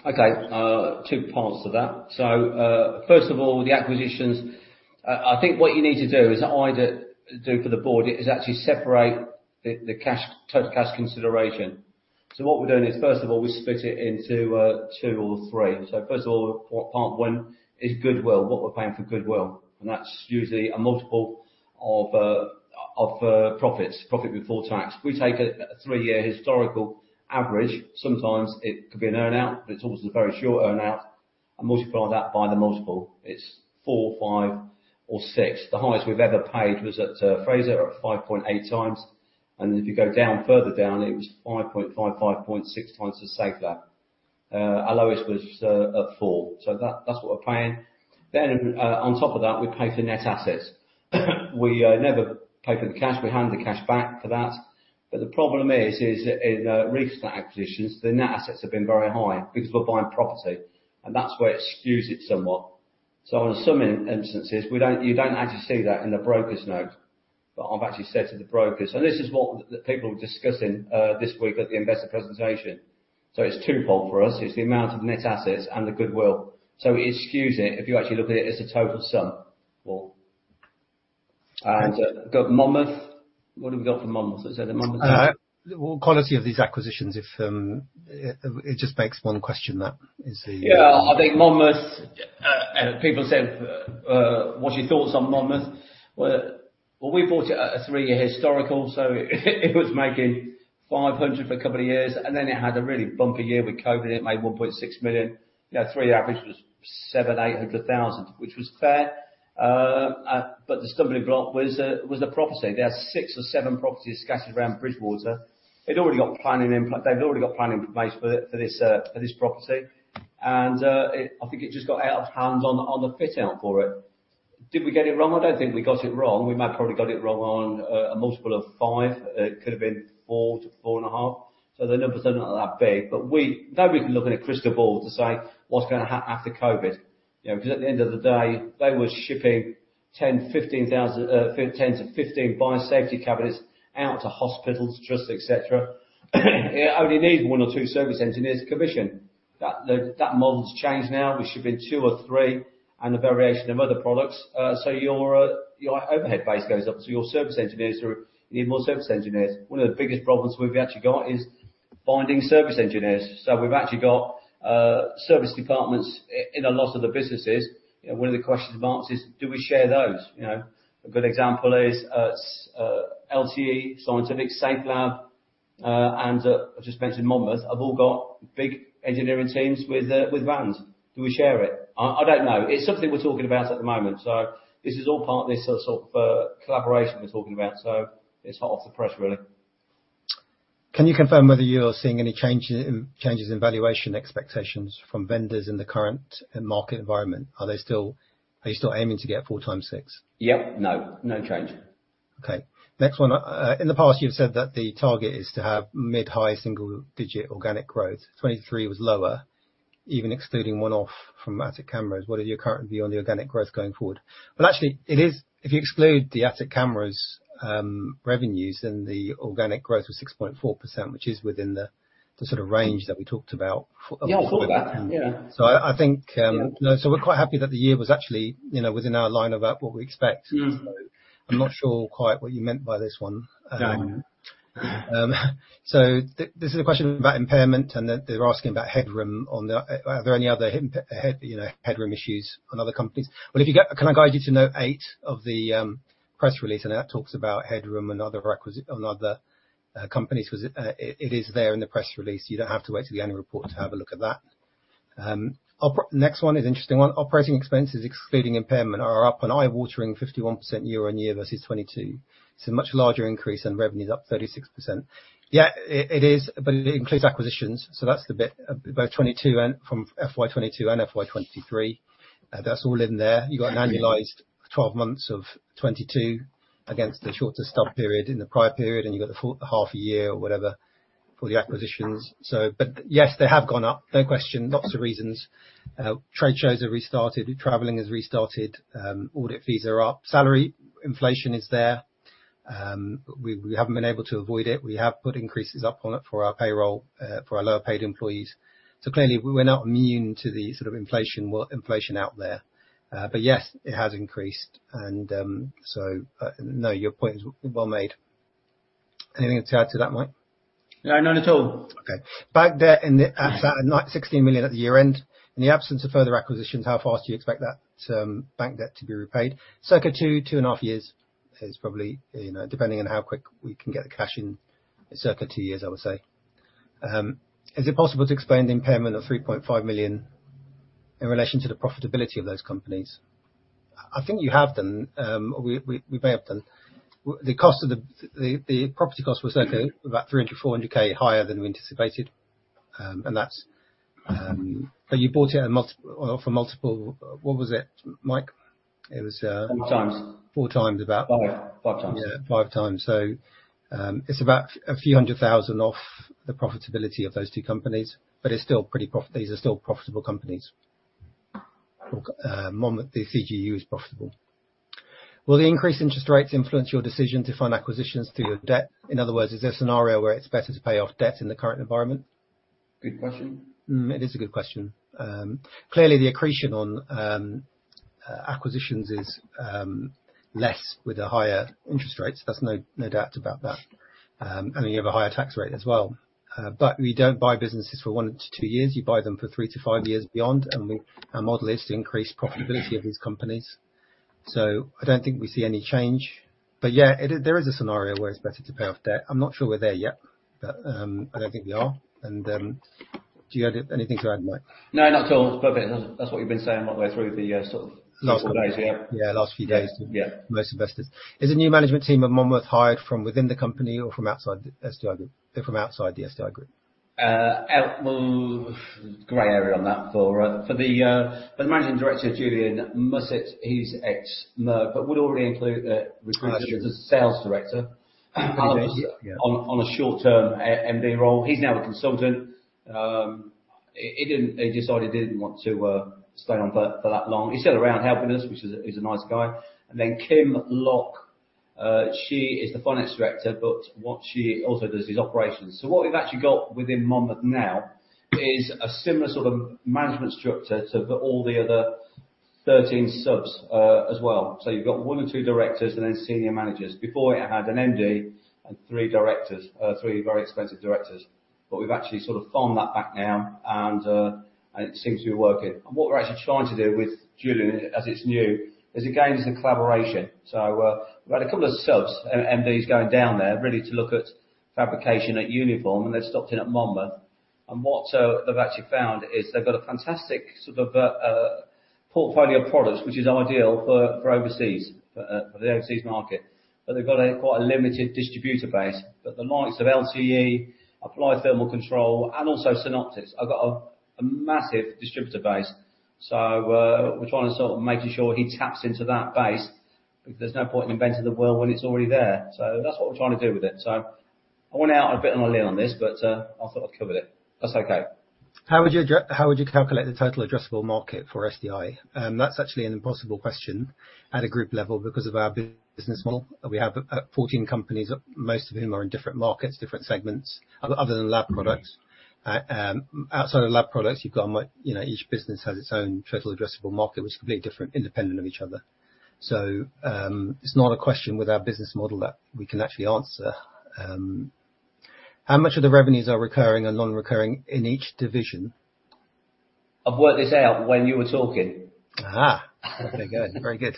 Okay, twocparts to that. First of all, the acquisitions. I think what you need to do is, I do for the board, is actually separate the, the cash, total cash consideration. What we're doing is, first of all, we split it into two or thre. First of all, part 1 is goodwill, what we're paying for goodwill, and that's usually a multiple of, of profits, profit before tax. We take a three-year historical average. Sometimes it could be an earn-out, but it's always a very short earn-out, and multiply that by the multiple. It's four, five, six. The highest we've ever paid was at Fraser at 5.8x, and if you go down, further down, it was 5.5x, 5.6x the Safelab. Our lowest was at four, so that's what we're paying. On top of that, we pay for net assets. We never pay for the cash. We hand the cash back for that. The problem is, is in reef acquisitions, the net assets have been very high because we're buying property, and that's where it skews it somewhat. In some instances, you don't actually see that in the broker's note, but I've actually said to the brokers... This is what the people were discussing this week at the investor presentation. It's two-fold for us. It's the amount of net assets and the goodwill, so it skews it. If you actually look at it, it's a total sum. Well, go Monmouth. What have we got for Monmouth? Is it the Monmouth- Well, quality of these acquisitions, if, it just makes one question that is the. Yeah, I think Monmouth, and people said, "What's your thoughts on Monmouth?" Well, well, we bought it at a three-year historical, so it was making 500,000 for a couple of years, and then it had a really bumpy year with COVID, and it made 1.6 million. You know, three average was 700,000-800,000, which was fair. The stumbling block was, was the property. They had six or seven properties scattered around Bridgwater. They'd already got planning in place for, for this, for this property, and it... I think it just got out of hand on the, on the fit out for it. Did we get it wrong? I don't think we got it wrong. We might have probably got it wrong on a multiple of five. It could have been 4-4.5. The numbers are not that big, but we. Nobody can look in a crystal ball to say what's gonna hap- after COVID, you know, because at the end of the day, they were shipping 10,000-15,000, 10-15 biological safety cabinets out to hospitals, trusts, et cetera. It only needs one or two service engineers to commission. That, the, that model's changed now. We ship in two or three and a variation of other products. Your overhead base goes up, so your service engineers are, you need more service engineers. One of the biggest problems we've actually got is finding service engineers. We've actually got service departments in a lot of the businesses. You know, one of the questions asked is, do we share those? You know, a good example is LTE Scientific, Safelab, and I just mentioned Monmouth, have all got big engineering teams with vans. Do we share it? I, I don't know. It's something we're talking about at the moment, so this is all part of this sort of collaboration we're talking about, so it's hot off the press, really. Can you confirm whether you are seeing any changes in valuation expectations from vendors in the current market environment? Are you still aiming to get 4x-6x? Yep. No, no change. Okay, next one. In the past, you've said that the target is to have mid-high single-digit organic growth. 2023 was lower, even excluding one-off from Atik Cameras. What is your current view on the organic growth going forward? Well, actually, it is, if you exclude the Atik Cameras revenues, then the organic growth was 6.4%, which is within the, the sort of range that we talked about. Yeah, before that. Yeah. I think we're quite happy that the year was actually, you know, within our line of what we expect.,I'm not sure quite what you meant by this one. So this is a question about impairment. Are there any other hidden, you know, headroom issues on other companies? If you go, can I guide you to note eight of the press release, and that talks about headroom and other companies? It is there in the press release, you don't have to wait to the annual report to have a look at that. Next one is interesting one. Operating expenses, excluding impairment, are up an eye-watering 51% year-over-year versus 2022. It's a much larger increase, and revenue is up 36%. It is, but it includes acquisitions, so that's the bit, both 2022 and from FY 2022 and FY 2023. That's all in there. You got annualized 12 months of 2022 against the shorter stub period in the prior period, and you got the full half year or whatever for the acquisitions. Yes, they have gone up, no question. Lots of reasons. Trade shows have restarted, traveling has restarted, audit fees are up, salary, inflation is there. We, we haven't been able to avoid it. We have put increases up on it for our payroll, for our lower-paid employees. Clearly, we're not immune to the sort of inflation, well, inflation out there. Yes, it has increased, and, so, no, your point is well made. Anything to add to that, Mike? No, none at all. Okay. Bank debt sat at 16 million at the year-end. In the absence of further acquisitions, how fast do you expect that bank debt to be repaid? Circa 2, 2.5 years is probably, you know, depending on how quick we can get the cash in. Circa two years, I would say. Is it possible to explain the impairment of 3.5 million in relation to the profitability of those companies? I think you have done, we may have done. The cost of the property cost was certainly about 300,000-400,000 higher than we anticipated. And that's... You bought it at multiple, for multiple, what was it, Mike? It was- Four times. Four times, about. Five, five times. Yeah, five times. it's about GBP a few hundred thousand off the profitability of those two companies, but it's still These are still profitable companies. Monmouth, the CGU, is profitable. Will the increased interest rates influence your decision to fund acquisitions through your debt? In other words, is there a scenario where it's better to pay off debt in the current environment? Good question. Hmm, it is a good question. Clearly, the accretion on acquisitions is less with the higher interest rates. There's no, no doubt about that. You have a higher tax rate as well. We don't buy businesses for one to two years. You buy them for three to five years beyond. Our model is to increase profitability of these companies. I don't think we see any change. Yeah, there is a scenario where it's better to pay off debt. I'm not sure we're there yet, but I don't think we are. Do you have anything to add, Mike? No, not at all. But that's what you've been saying all the way through the sort of last few days. Yeah. Yeah, last few days most investors. Is the new management team at Monmouth hired from within the company or from outside the SDI Group? They're from outside the SDI Group. Out... Well, gray area on that for, for the, the Managing Director, Julian Mussett, he's ex-Merck, but would already include the recruitment of the sales director. Yeah. On a, on a short-term MD role. He's now a consultant. He, he decided he didn't want to stay on for, for that long. He's still around helping us, which is a, he's a nice guy. Kim Lock, she is the finance director, but what she also does is operations. What we've actually got within Monmouth now is a similar sort of management structure to the all the other 13 subs as well. You've got one or two directors and then senior managers. Before, it had an MD and three directors, three very expensive directors. We've actually sort of phoned that back now, and it seems to be working. What we're actually trying to do with Julian, as it's new, is again, just a collaboration. We've had a couple of subs and MDs going down there, ready to look at fabrication at Uniform, and they've stopped in at Monmouth. What they've actually found is they've got a fantastic sort of portfolio of products, which is ideal for, for overseas, for the overseas market. They've got quite a limited distributor base. The likes of LTE, Applied Thermal Control, and also Synoptics, have got a massive distributor base. We're trying to sort of making sure he taps into that base, because there's no point in inventing the wheel when it's already there. That's what we're trying to do with it. I went out on a bit of a limb on this, but I thought I'd cover it. That's okay. How would you calculate the total addressable market for SDI? That's actually an impossible question at a group level because of our business model. We have 14 companies, most of whom are in different markets, different segments, other, other than lab products. Outside of lab products, you've got, you know, each business has its own total addressable market, which is completely different, independent of each other. It's not a question with our business model that we can actually answer. How much of the revenues are recurring and non-recurring in each division? I've worked this out when you were talking. Aha! Very good. Very good.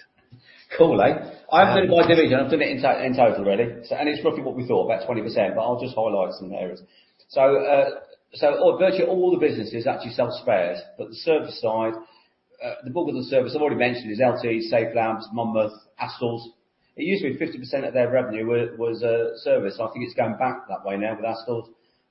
Cool, eh? Um- I haven't done it by division, I've done it in to- in total really. And it's roughly what we thought, about 20%, but I'll just highlight some areas. Virtually all the businesses actually sell spares, but the service side, the book as a service, I've already mentioned, is LTE, Safelab, Monmouth, Astles. It used to be 50% of their revenue was, was, service. I think it's gone back that way now with Astles.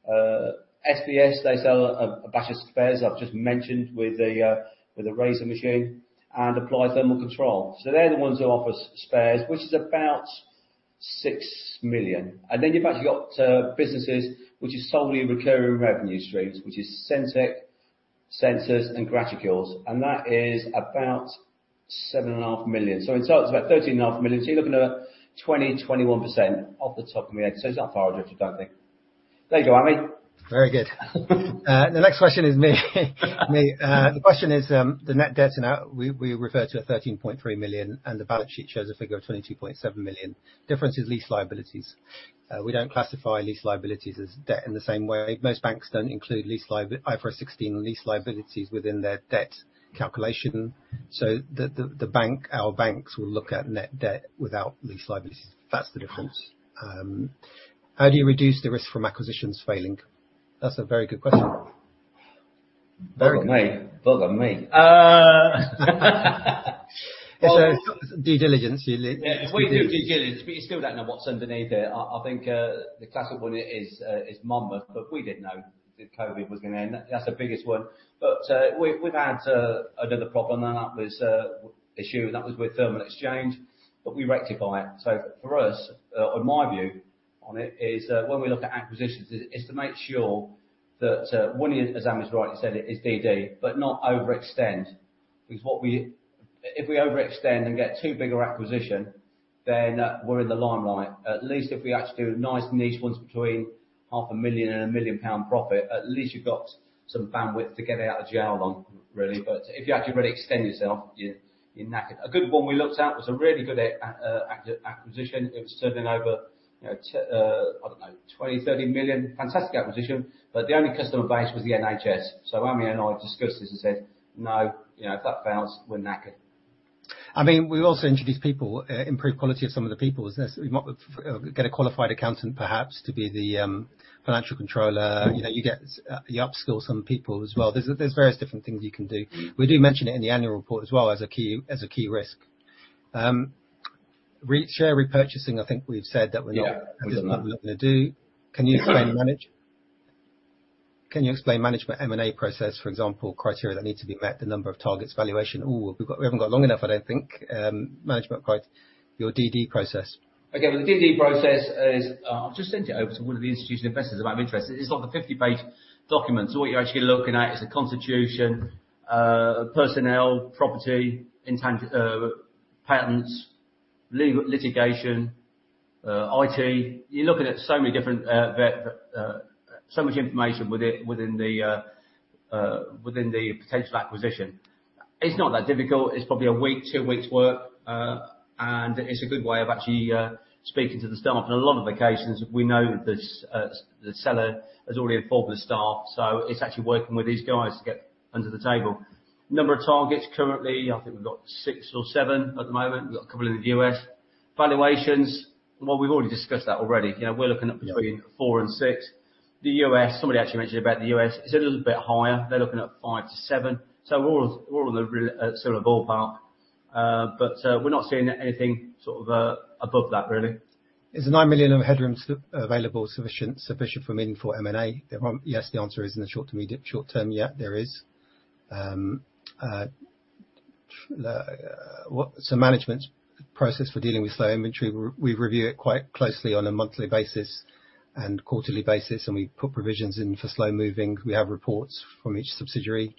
SVS, they sell a, a batch of spares, I've just mentioned with the, with the razor machine and Applied Thermal Control. They're the ones who offer spares, which is about 6 million. Then you've actually got businesses which is solely recurring revenue streams, which is Sentek, Sensors, and Graticules, and that is about 7.5 million. In total, it's about 13.5 million. You're looking at 20%-21% off the top of my head. It's not far off, I don't think. There you go, Ami. Very good. The next question is. The question is, the net debt, we refer to a 13.3 million, the balance sheet shows a figure of 22.7 million. Difference is lease liabilities. We don't classify lease liabilities as debt in the same way. Most banks don't include IFRS 16 lease liabilities within their debt calculation. The bank, our banks will look at net debt without lease liabilities. That's the difference. How do you reduce the risk from acquisitions failing? That's a very good question. Bugger me. Bugger me. It's, due diligence, usually. Yeah, if we do due diligence, we still don't know what's underneath it. I, I think the classic one is Monmouth. We didn't know that COVID was going to end. That's the biggest one. We've, we've had another problem, and that was issue, that was with Thermal Exchange. We rectify it. For us, or my view on it is when we look at acquisitions, is, is to make sure that one is, as Ami's rightly said, is DD, not overextend. If we overextend and get too big an acquisition, then we're in the limelight. At least if we actually do nice niche ones between 500,000 and 1 million pound profit, at least you've got some bandwidth to get it out of jail on, really. If you actually really extend yourself, you, you're knackered. A good one we looked at was a really good acquisition. It was turning over, you know, 20 million-30 million. Fantastic acquisition, the only customer base was the NHS. Ami and I discussed this and said, "No, you know, if that fails, we're knackered. I mean, we also introduced people, improved quality of some of the people. As necessary, we might get a qualified accountant, perhaps, to be the financial controller. You know, you upskill some people as well. There's various different things you can do. We do mention it in the annual report as well as a key, as a key risk. Re-share repurchasing, I think we've said that we're not at this moment looking to do. Can you explain management M&A process, for example, criteria that need to be met, the number of targets, valuation? We haven't got long enough, I don't think. Management your DD process. Okay, well, the DD process is. I've just sent it over to one of the institutional investors who might have interest. It's like a 50-page document, so what you're actually looking at is a constitution, personnel, property, intent, patents, litigation, IT. You're looking at so many different, so much information with it, within the, within the potential acquisition. It's not that difficult. It's probably a week, two weeks work, and it's a good way of actually speaking to the staff. In a lot of occasions, we know that the seller has already informed the staff, so it's actually working with these guys to get under the table. Number of targets currently, I think we've got six or seven at the moment. We've got a couple in the U.S. Valuations, well, we've already discussed that already. You know, we're looking at between four and six. The U.S., somebody actually mentioned about the U.S., it's a little bit higher. They're looking at five to seven We're all, we're all on the sort of ballpark. We're not seeing anything sort of above that, really. Is the 9 million of headroom available sufficient, sufficient for meeting for M&A? Yes, the answer is in the short to medium, short term, yeah, there is. Management's process for dealing with slow inventory, we review it quite closely on a monthly basis and quarterly basis, and we put provisions in for slow-moving. We have reports from each subsidiary.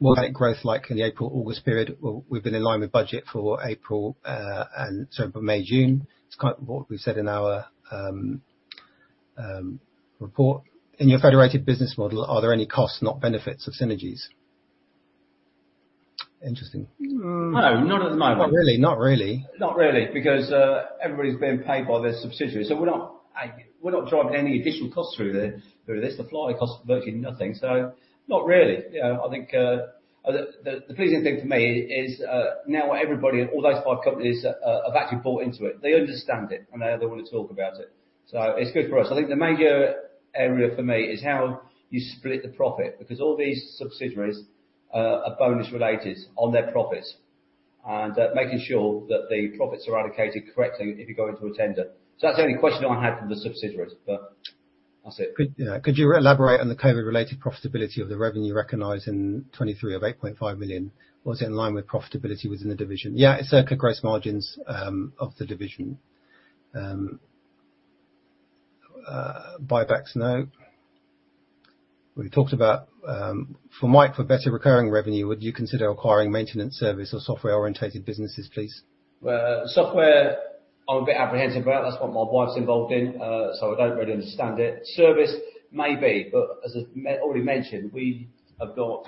What's growth like in the April-August period? Well, we've been in line with budget for April, and sorry for May, June. It's kind of what we said in our report. In your federated business model, are there any costs, not benefits, of synergies? Interesting. No, not at the moment. Not really. Not really. Not really, because everybody's being paid by their subsidiary, we're not driving any additional costs through there, through this. The fly cost is virtually nothing, not really. You know, I think the, the, the pleasing thing for me is now everybody, all those five companies have actually bought into it. They understand it, now they want to talk about it, it's good for us. I think the major area for me is how you split the profit, because all these subsidiaries are bonus related on their profits, making sure that the profits are allocated correctly if you go into a tender. That's the only question I have for the subsidiaries, that's it. Could, yeah, could you elaborate on the COVID-related profitability of the revenue recognized in 2023 of 8.5 million? Was it in line with profitability within the division? Yeah, it's okay gross margins of the division. Buybacks, no. We talked about... For Mike, for better recurring revenue, would you consider acquiring maintenance, service, or software-orientated businesses, please? Well, software, I'm a bit apprehensive about. That's what my wife's involved in, so I don't really understand it. Service, maybe, but as I already mentioned, we have got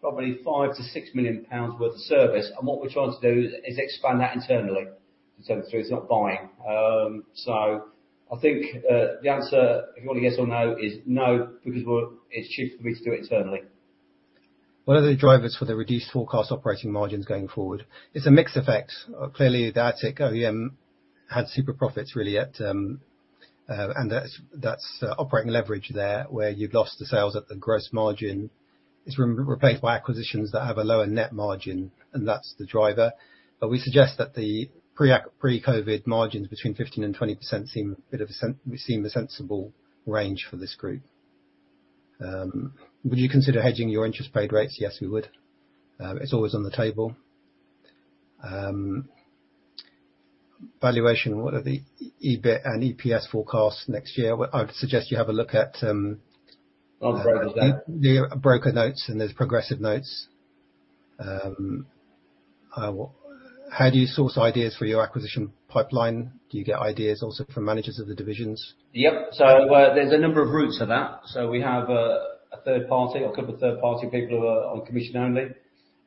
probably 5 million-6 million pounds worth of service, and what we're trying to do is, is expand that internally, so it's not buying. I think, the answer, if you want a yes or no, is no, because it's cheap for me to do it internally. What are the drivers for the reduced forecast operating margins going forward? It's a mixed effect. Clearly, the Atik OEM had super profits really at, and that's, that's operating leverage there, where you've lost the sales at the gross margin. It's re-replaced by acquisitions that have a lower net margin, and that's the driver. We suggest that the pre-COVID margins between 15% and 20% seem a bit of a sensible range for this group. Would you consider hedging your interest paid rates? Yes, we would. It's always on the table. Valuation, what are the EBIT and EPS forecasts next year? Well, I'd suggest you have a look at. Our broker note. The broker notes, and there's Progressive notes. How do you source ideas for your acquisition pipeline? Do you get ideas also from managers of the divisions? Yep. There's a number of routes for that. We have a third party, a couple of third-party people who are on commission only.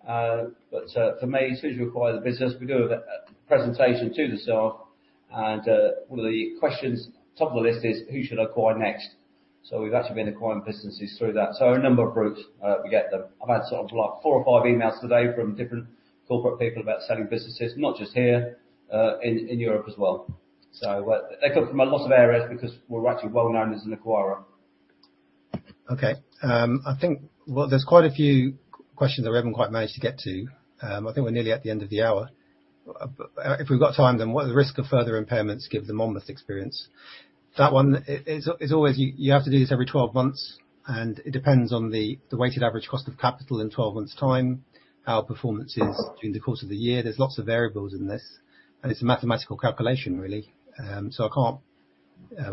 For me, as soon as you acquire the business, we do a presentation to the staff, and one of the questions top of the list is: Who should I acquire next? We've actually been acquiring businesses through that. A number of routes, we get them. I've had sort of like four or five emails today from different corporate people about selling businesses, not just here, in Europe as well. They come from a lot of areas because we're actually well known as an acquirer. Okay, I think, well, there's quite a few q- questions that we haven't quite managed to get to. I think we're nearly at the end of the hour. If we've got time, then what are the risk of further impairments, given the Monmouth experience? That one, it, it's, it's always... You, you have to do this every 12 months, and it depends on the, the weighted average cost of capital in 12 months' time, how performance is during the course of the year. There's lots of variables in this, and it's a mathematical calculation, really. I can't...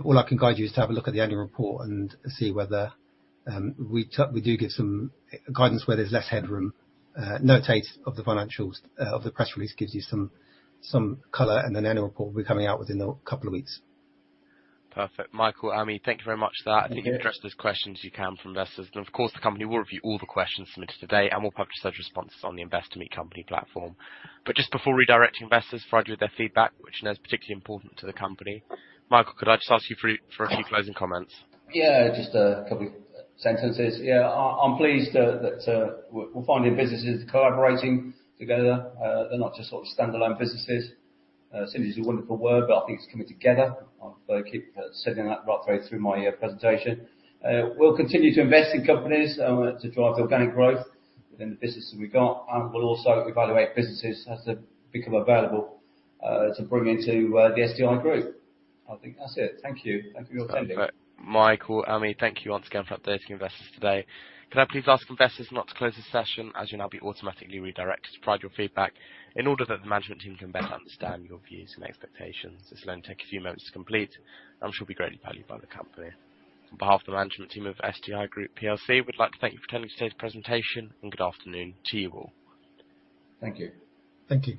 All I can guide you is to have a look at the annual report and see whether, we t- we do give some guidance where there's less headroom. Notate of the financials, of the press release gives you some, some color, and then the annual report will be coming out within a couple of weeks. Perfect. Michael, Ami, thank you very much for that. Thank you. I think you've addressed as questions as you can from investors. Of course, the company will review all the questions submitted today, and we'll publish those responses on the Investor Meet Company platform. Just before redirecting investors, provide you with their feedback, which is particularly important to the company. Michael, could I just ask you for a few closing comments? Yeah, just a couple of sentences. Yeah, I, I'm pleased that, that, we're, we're finally businesses collaborating together. They're not just sort of standalone businesses. Synergy is a wonderful word, but I think it's coming together. I'll keep saying that right through, through my presentation. We'll continue to invest in companies to drive organic growth within the businesses we got, and we'll also evaluate businesses as they become available to bring into the SDI Group. I think that's it. Thank you. Thank you for your time. Perfect. Michael, Ami, thank you once again for updating investors today. Could I please ask investors not to close this session, as you'll now be automatically redirected to provide your feedback, in order that the management team can better understand your views and expectations. This will only take a few moments to complete and should be greatly valued by the company. On behalf of the management team of SDI Group plc, we'd like to thank you for attending today's presentation, and good afternoon to you all. Thank you. Thank you.